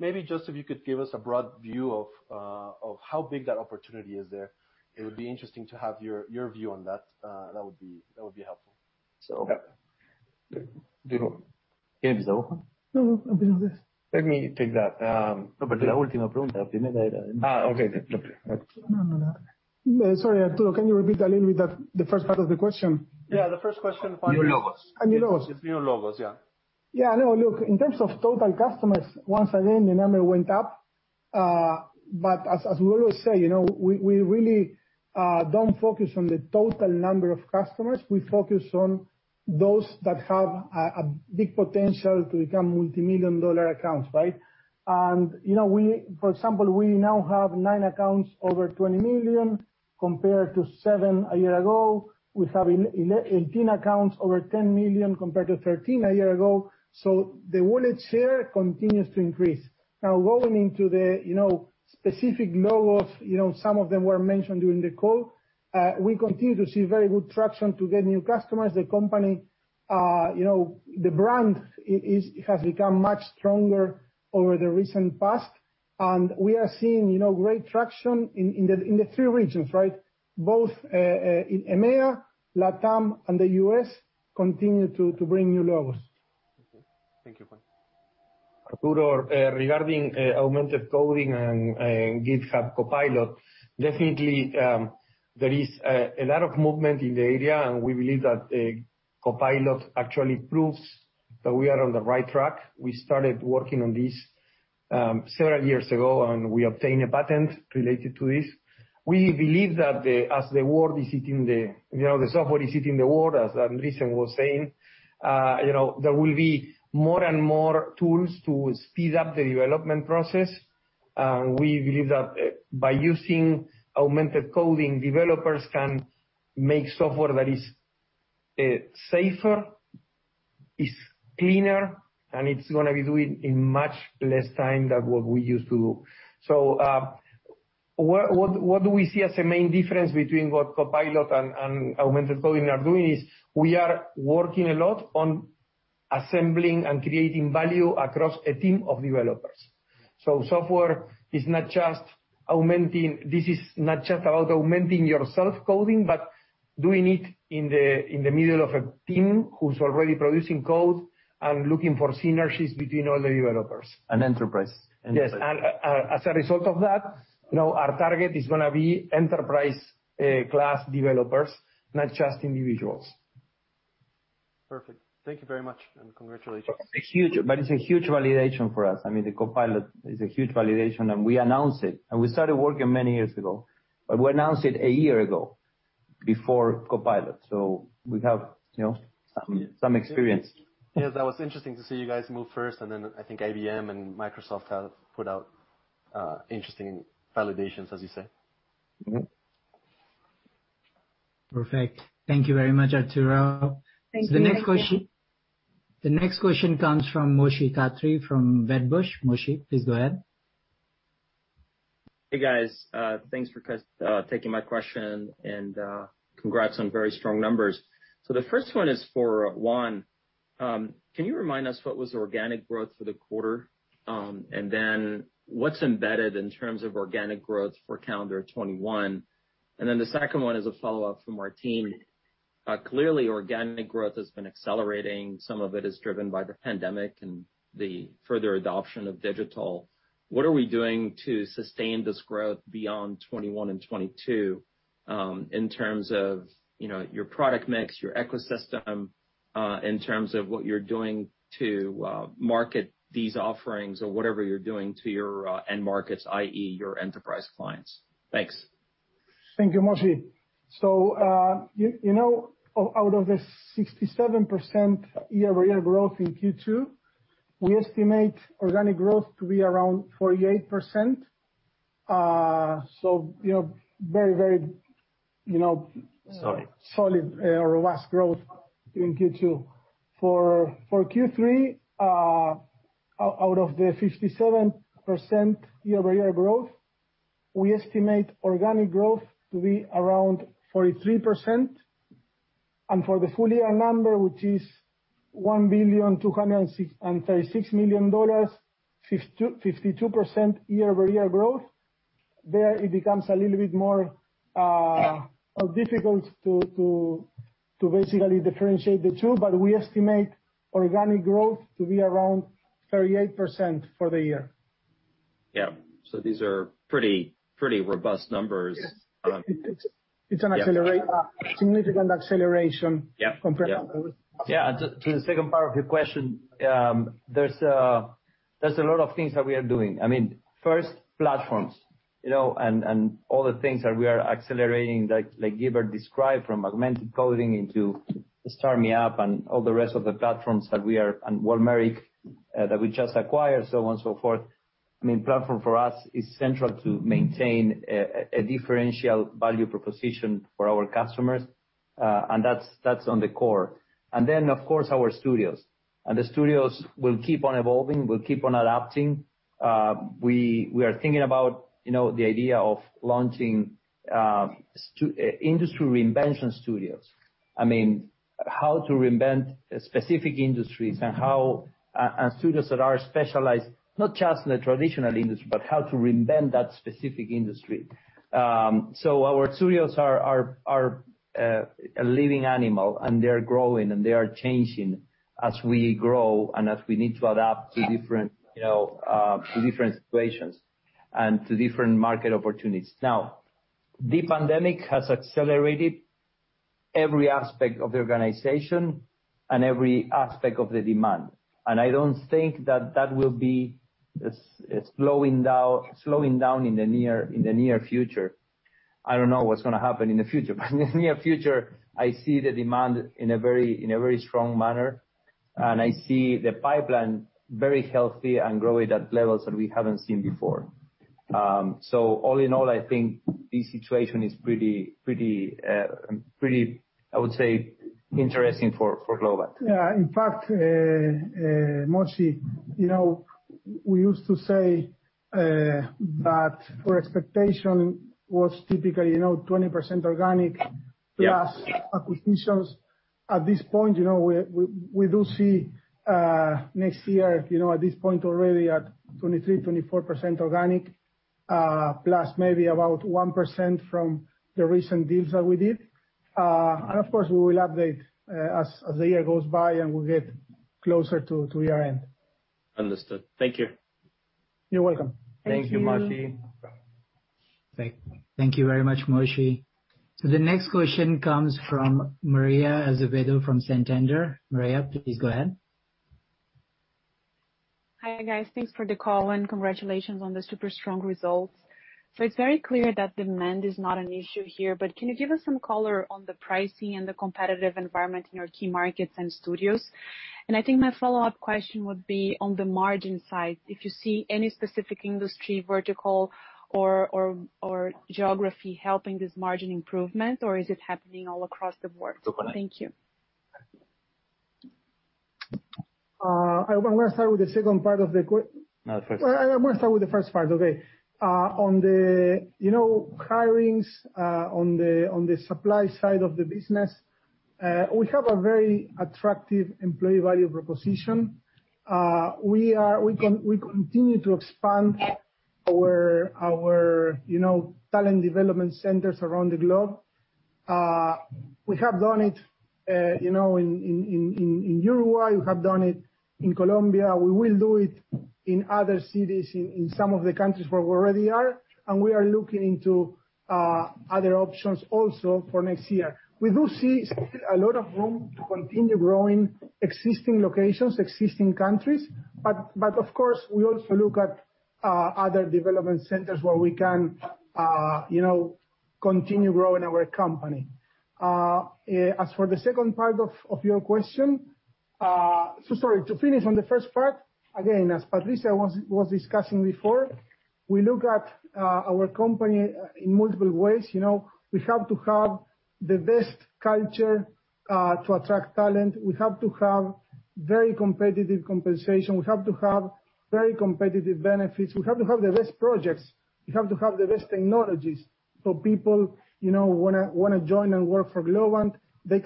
maybe just if you could give us a broad view of how big that opportunity is there. It would be interesting to have your view on that. That would be helpful. Okay, Arturo. Let me take that. Okay. No, no. Sorry, Arturo, can you repeat a little bit the first part of the question? Yeah, the first question. New logos. New logos. It's new logos, yeah. Yeah, no, look, in terms of total customers, once again, the number went up. As we always say, we really don't focus on the total number of customers. We focus on those that have a big potential to become multimillion-dollar accounts, right? For example, we now have nine accounts over $20 million compared to seven a year ago. We have 18 accounts over $10 million compared to 13 a year ago. The wallet share continues to increase. Now, going into the specific logos, some of them were mentioned during the call. We continue to see very good traction to get new customers. The brand has become much stronger over the recent past, we are seeing great traction in thethree regions, right? Both in EMEA, LATAM, and the U.S. continue to bring new logos. Okay. Thank you. Arturo, regarding Augmented Coding and GitHub Copilot, definitely, there is a lot of movement in the area, and we believe that Copilot actually proves that we are on the right track. We started working on this several years ago, and we obtained a patent related to this. We believe that as the software is eating the world, as Patricia was saying, there will be more and more tools to speed up the development process. We believe that by using Augmented Coding, developers can make software that is safer, is cleaner, and it's going to be doing in much less time than what we used to. What do we see as a main difference between what Copilot and Augmented Coding are doing is we are working a lot on assembling and creating value across a team of developers. Software, this is not just about augmenting your self-coding, but doing it in the middle of a team who's already producing code and looking for synergies between all the developers. An enterprise. Yes. As a result of that, our target is going to be enterprise class developers, not just individuals. Perfect. Thank you very much, and congratulations. It's a huge validation for us. I mean, the Copilot is a huge validation, and we announce it, and we started working many years ago. We announced it a year ago, before Copilot. We have some experience. Yes, that was interesting to see you guys move first, and then I think IBM and Microsoft have put out interesting validations, as you say. Perfect. Thank you very much, Arturo. Thank you. The next question comes from Moshe Katri from Wedbush. Moshe, please go ahead. Hey, guys. Thanks for taking my question and congrats on very strong numbers. The first one is for Juan. Can you remind us what was the organic growth for the quarter? What's embedded in terms of organic growth for calendar 2021? The second one is a follow-up from our team. Clearly, organic growth has been accelerating. Some of it is driven by the pandemic and the further adoption of digital. What are we doing to sustain this growth beyond 2021 and 2022, in terms of your product mix, your ecosystem, in terms of what you're doing to market these offerings or whatever you're doing to your end markets, i.e., your enterprise clients? Thanks. Thank you, Moshe. Out of the 67% year-over-year growth in Q2, we estimate organic growth to be around 48%. Very solid or vast growth in Q2. For Q3, out of the 57% year-over-year growth, we estimate organic growth to be around 43%. For the full year number, which is $1,236,000,000, 52% year-over-year growth. There, it becomes a little bit more difficult to basically differentiate the two, but we estimate organic growth to be around 38% for the year. Yeah. These are pretty robust numbers. It's a significant acceleration. Yeah Compared to others. Yeah, to the second part of your question, there's a lot of things that we are doing. First, platforms, and all the things that we are accelerating, like Guibert described, from Augmented Coding into StarMeUp and all the rest of the platforms, and Walmeric, that we just acquired, so on and so forth. Platform for us is central to maintain a differential value proposition for our customers. That's on the core. Then, of course, our studios. The studios will keep on evolving, will keep on adapting. We are thinking about the idea of launching industry reinvention studios. How to reinvent specific industries and studios that are specialized, not just in a traditional industry, but how to reinvent that specific industry. Our studios are a living animal, and they're growing, and they are changing as we grow and as we need to adapt to different situations and to different market opportunities. Now, the pandemic has accelerated every aspect of the organization and every aspect of the demand. I don't think that that will be slowing down in the near future. I don't know what's going to happen in the future, but in the near future, I see the demand in a very strong manner, and I see the pipeline very healthy and growing at levels that we haven't seen before. All in all, I think this situation is pretty, I would say, interesting for Globant. Yeah. In fact, Moshe, we used to say that our expectation was typically 20% organic plus acquisitions. At this point, we do see next year, at this point already at 23, 24% organic, plus maybe about 1% from the recent deals that we did. Of course, we will update as the year goes by and we get closer to year-end. Understood. Thank you. You're welcome. Thank you. Thank you, Moshe. Thank you very much, Moshe. The next question comes from Maria Azevedo from Santander. Maria, please go ahead. Hi, guys. Thanks for the call and congratulations on the super strong results. It's very clear that demand is not an issue here, but can you give us some color on the pricing and the competitive environment in your key markets and studios? I think my follow-up question would be on the margin side, if you see any specific industry vertical or geography helping this margin improvement, or is it happening all across the board? Thank you. I want to start with the second part of the. No, the first. I want to start with the first part. Okay. On the hirings, on the supply side of the business, we have a very attractive employee value proposition. We continue to expand our talent development centers around the globe. We have done it in Uruguay, we have done it in Colombia. We will do it in other cities in some of the countries where we already are, and we are looking into other options also for next year. We do see still a lot of room to continue growing existing locations, existing countries, but of course, we also look at other development centers where we can continue growing our company. As for the second part of your question Sorry. To finish on the first part, again, as Patricia was discussing before, we look at our company in multiple ways. We have to have the best culture to attract talent. We have to have very competitive compensation. We have to have very competitive benefits. We have to have the best projects. We have to have the best technologies for people who want to join and work for Globant. They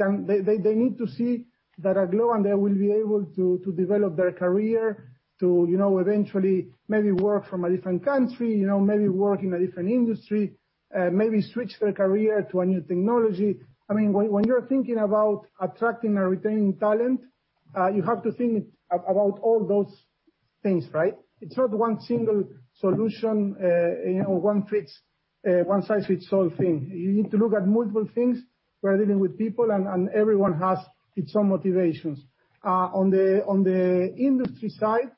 need to see that at Globant, they will be able to develop their career to eventually maybe work from a different country, maybe work in a different industry, maybe switch their career to a new technology. When you're thinking about attracting or retaining talent, you have to think about all those things, right? It's not one single solution, one size fits all thing. You need to look at multiple things. We're dealing with people, and everyone has its own motivations. On the industry side,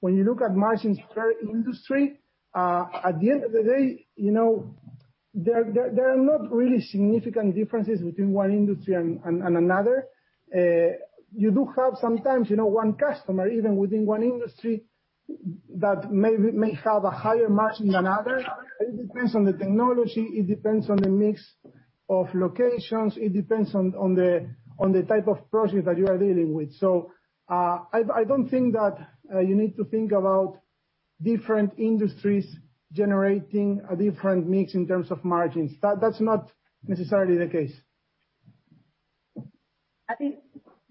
when you look at margin per industry, at the end of the day, there are not really significant differences between one industry and another. You do have sometimes one customer, even within one industry that may have a higher margin than other. It depends on the technology. It depends on the mix of locations. It depends on the type of project that you are dealing with. I don't think that you need to think about different industries generating a different mix in terms of margins. That's not necessarily the case.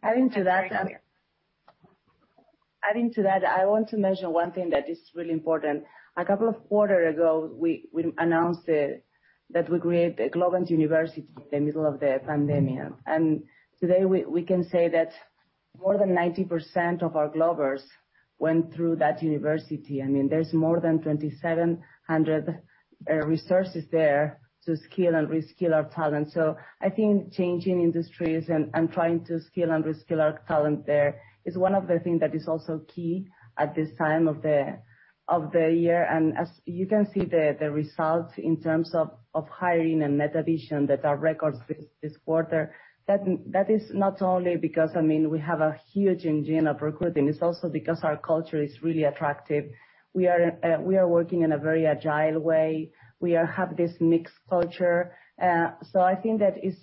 Adding to that, I want to mention one thing that is really important. A couple of quarters ago, we announced that we created a Globant University in the middle of the pandemic. Today we can say that more than 90% of our Globers went through that University. There's more than 2,700 resources there to skill and reskill our talent. I think changing industries and trying to skill and reskill our talent there is one of the things that is also key at this time of the year. As you can see, the results in terms of hiring and net addition that are records this quarter, that is not only because we have a huge engine of recruiting, it's also because our culture is really attractive. We are working in a very agile way. We have this mixed culture. I think that is,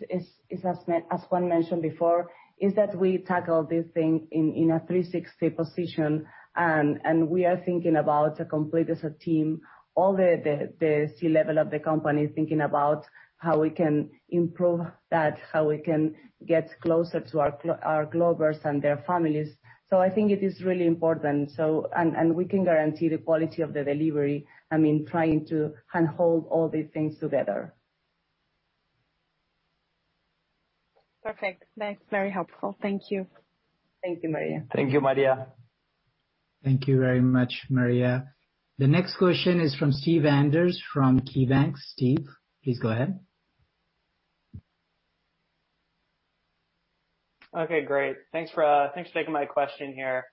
as Juan mentioned before, is that we tackle this thing in a 360 position. We are thinking about complete as a team, all the C-level of the company thinking about how we can improve that, how we can get closer to our Globers and their families. I think it is really important. We can guarantee the quality of the delivery, trying to hand hold all these things together. Perfect. Thanks. Very helpful. Thank you. Thank you, Maria. Thank you, Maria. Thank you very much, Maria. The next question is from Steve Enders from KeyBanc. Steve, please go ahead. Okay, great. Thanks for taking my question here.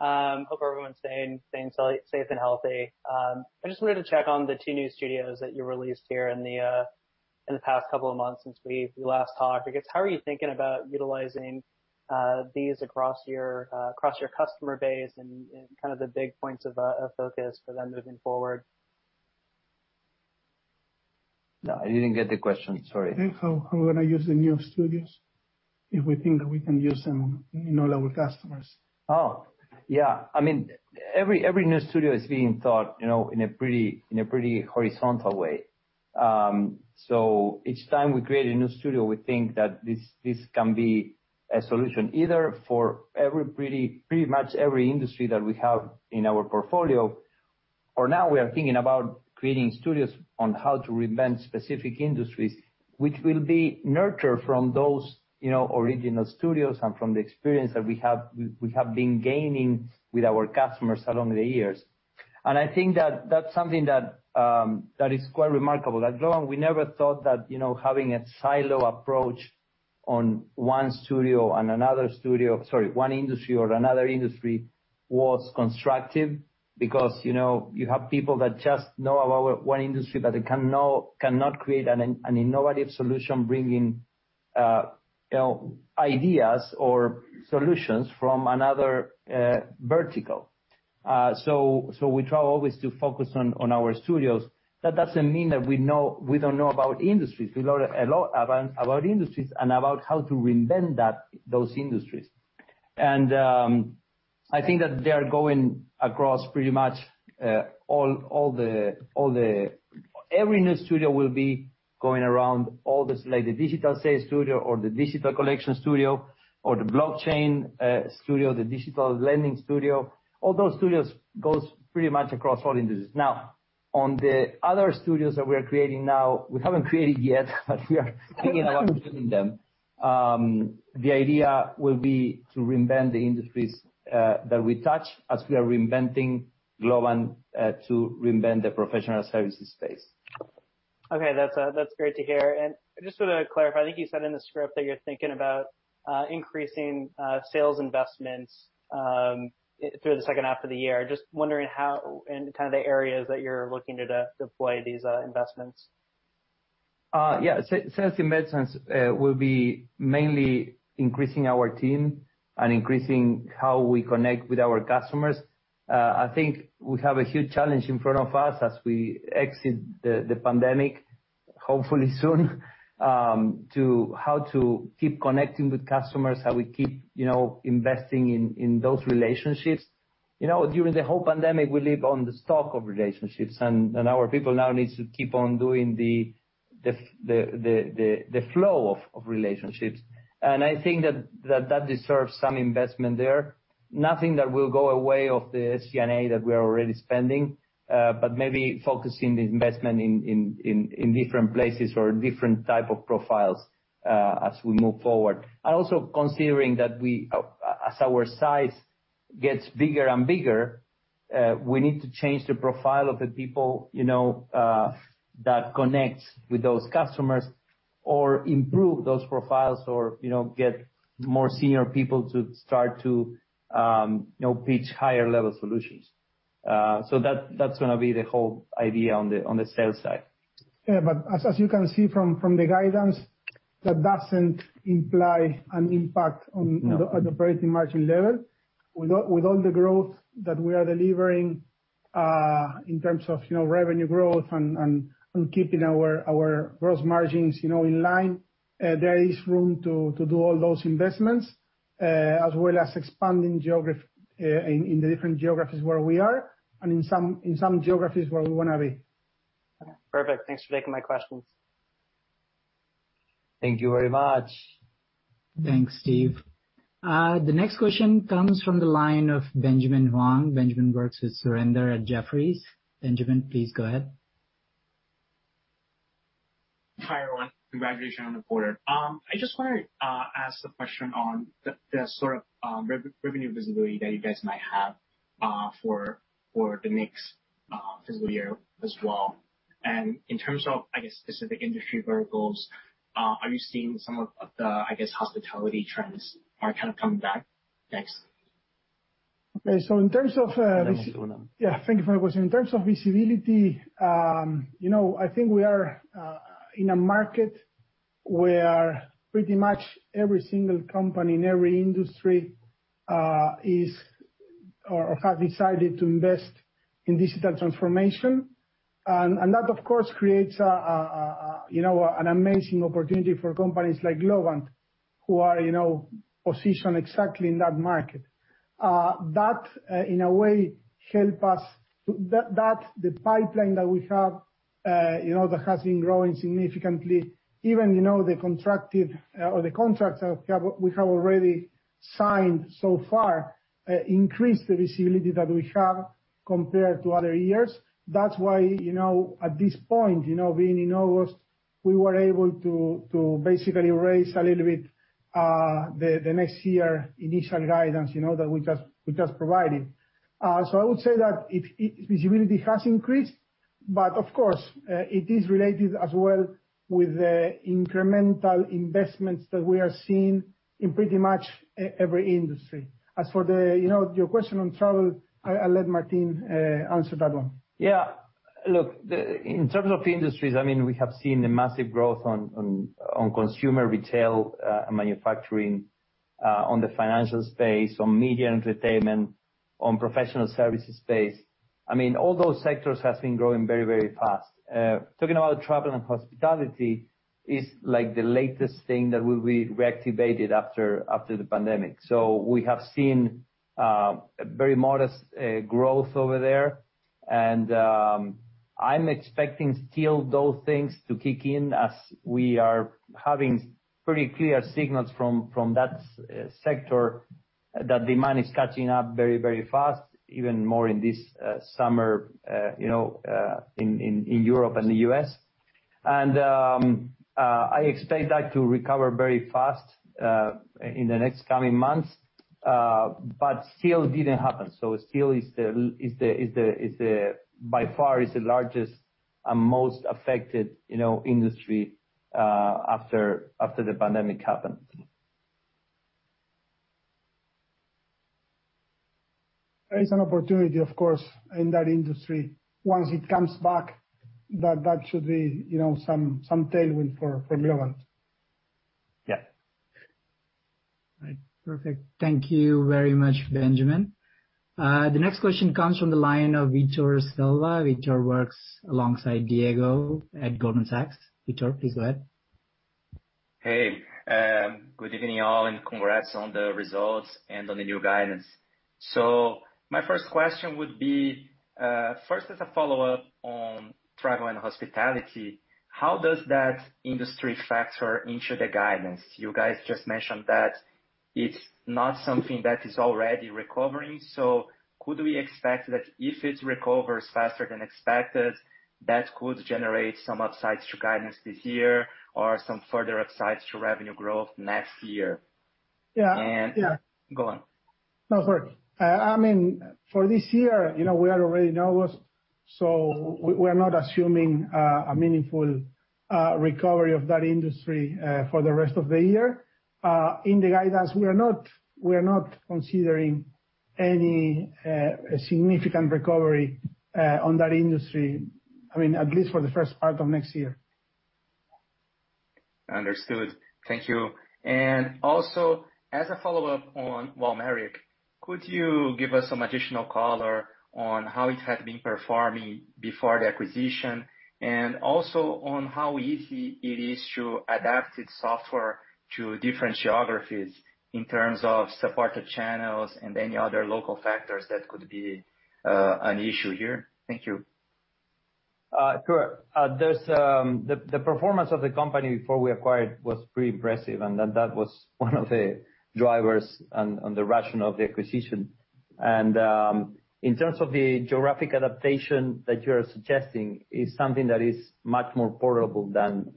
Hope everyone's staying safe and healthy. I just wanted to check on the two new studios that you released here in the past couple of months since we last talked. I guess, how are you thinking about utilizing these across your customer base and kind of the big points of focus for them moving forward? No, I didn't get the question. Sorry. I think how we're going to use the new studios, if we think we can use them in all our customers. Yeah. Every new studio is being thought in a pretty horizontal way. Each time we create a new studio, we think that this can be a solution either for pretty much every industry that we have in our portfolio, or now we are thinking about creating studios on how to reinvent specific industries, which will be nurtured from those original studios and from the experience that we have been gaining with our customers along the years. I think that's something that is quite remarkable. At Globant, we never thought that having a silo approach on one studio and another studio, sorry, one industry or another industry was constructive because you have people that just know about one industry, but they cannot create an innovative solution bringing ideas or solutions from another vertical. We try always to focus on our studios. That doesn't mean that we don't know about industries. We know a lot about industries and about how to reinvent those industries. I think that they are going across pretty much. Every new studio will be going around all this, like the digital sales studio or the digital collection studio or the blockchain studio, the digital lending studio. All those studios goes pretty much across all industries. On the other studios that we're creating now, we haven't created yet, but we are thinking about building them. The idea will be to reinvent the industries that we touch as we are reinventing Globant, to reinvent the professional services space. Okay. That's great to hear. I just want to clarify, I think you said in the script that you're thinking about increasing sales investments through the second half of the year. Just wondering how, and the kind of the areas that you're looking to deploy these investments? Yeah. Sales investments will be mainly increasing our team and increasing how we connect with our customers. I think we have a huge challenge in front of us as we exit the pandemic, hopefully soon, how to keep connecting with customers, how we keep investing in those relationships. During the whole pandemic, we lived on the stock of relationships, and our people now need to keep on doing the flow of relationships. I think that deserves some investment there. Nothing that will go away of the SG&A that we are already spending, but maybe focusing the investment in different places or different type of profiles as we move forward. Also considering that as our size gets bigger and bigger, we need to change the profile of the people that connect with those customers or improve those profiles or get more senior people to start to pitch higher level solutions. That's going to be the whole idea on the sales side. As you can see from the guidance, that doesn't imply an impact on the operating margin level. With all the growth that we are delivering in terms of revenue growth and keeping our gross margins in line, there is room to do all those investments as well as expanding in the different geographies where we are and in some geographies where we want to be. Okay. Perfect. Thanks for taking my questions. Thank you very much. Thanks, Steve. The next question comes from the line of Benjamin Hwang. Benjamin works with Surinder at Jefferies. Benjamin, please go ahead. Hi, everyone. Congratulations on the quarter. I just want to ask the question on the sort of revenue visibility that you guys might have for the next fiscal year as well. In terms of, I guess, specific industry verticals, are you seeing some of the, I guess, hospitality trends are kind of coming back? Thanks. Okay, in terms of. Benjamin. Thank you for the question. In terms of visibility, I think we are in a market where pretty much every single company in every industry have decided to invest in digital transformation. That, of course, creates an amazing opportunity for companies like Globant who are positioned exactly in that market. That, in a way, help us. The pipeline that we have that has been growing significantly, even the contracts we have already signed so far increase the visibility that we have compared to other years. That's why, at this point, being in August, we were able to basically raise a little bit the next year initial guidance, that we just provided. I would say that visibility has increased, but of course, it is related as well with the incremental investments that we are seeing in pretty much every industry. As for your question on travel, I'll let Martín answer that one. Yeah. Look, in terms of industries, we have seen a massive growth on consumer retail, manufacturing, on the financial space, on media and entertainment, on professional services space. All those sectors has been growing very fast. Talking about travel and hospitality is like the latest thing that we reactivated after the pandemic. We have seen very modest growth over there, and I'm expecting still those things to kick in as we are having pretty clear signals from that sector that demand is catching up very fast, even more in this summer in Europe and the U.S. I expect that to recover very fast in the next coming months. Still didn't happen. Still by far is the largest and most affected industry after the pandemic happened. There is an opportunity, of course, in that industry. Once it comes back that should be some tailwind for Globant. Yeah. Right. Perfect. Thank you very much, Benjamin. The next question comes from the line of Vitor Silva. Vitor works alongside Diego at Goldman Sachs. Vitor, please go ahead. Good evening, all. Congrats on the results and on the new guidance. My first question would be, first as a follow-up on travel and hospitality, how does that industry factor into the guidance? You guys just mentioned that it's not something that is already recovering. Could we expect that if it recovers faster than expected, that could generate some upsides to guidance this year or some further upsides to revenue growth next year? Yeah. Go on. No. Sorry. For this year, we are already nervous, we are not assuming a meaningful recovery of that industry for the rest of the year. In the guidance, we are not considering any significant recovery on that industry, at least for the first part of next year. Understood. Thank you. Also, as a follow-up on Walmeric, could you give us some additional color on how it had been performing before the acquisition, and also on how easy it is to adapt its software to different geographies in terms of supported channels and any other local factors that could be an issue here? Thank you. Sure. The performance of the company before we acquired was pretty impressive, and that was one of the drivers on the rationale of the acquisition. In terms of the geographic adaptation that you're suggesting, it's something that is much more portable than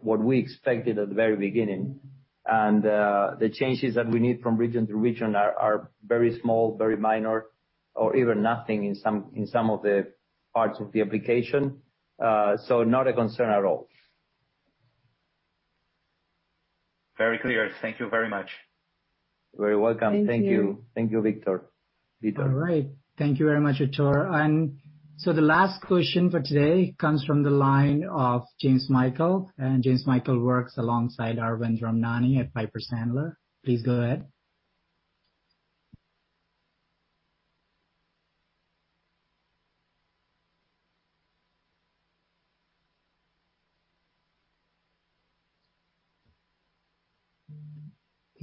what we expected at the very beginning. The changes that we need from region to region are very small, very minor, or even nothing in some of the parts of the application. Not a concern at all. Very clear. Thank you very much. You're very welcome. Thank you. Thank you, Victor. All right. Thank you very much, Victor. The last question for today comes from the line of [James Michael]. [James Michael] works alongside Arvind Ramnani at Piper Sandler. Please go ahead.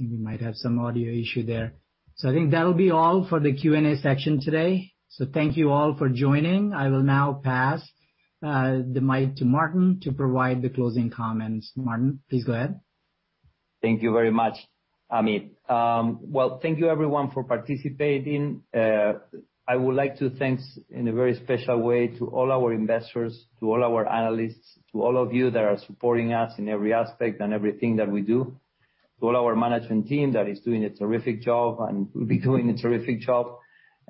I think we might have some audio issue there. I think that'll be all for the Q&A section today. Thank you all for joining. I will now pass the mic to Martín to provide the closing comments. Martín, please go ahead. Thank you very much, Amit. Well, thank you, everyone, for participating. I would like to thank in a very special way to all our investors, to all our analysts, to all of you that are supporting us in every aspect and everything that we do, to all our management team that is doing a terrific job and will be doing a terrific job.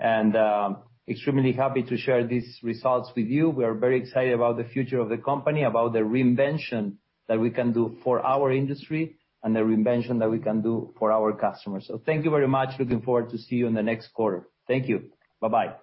I am extremely happy to share these results with you. We are very excited about the future of the company, about the reinvention that we can do for our industry, and the reinvention that we can do for our customers. Thank you very much. I am looking forward to see you in the next quarter. Thank you. Bye-bye.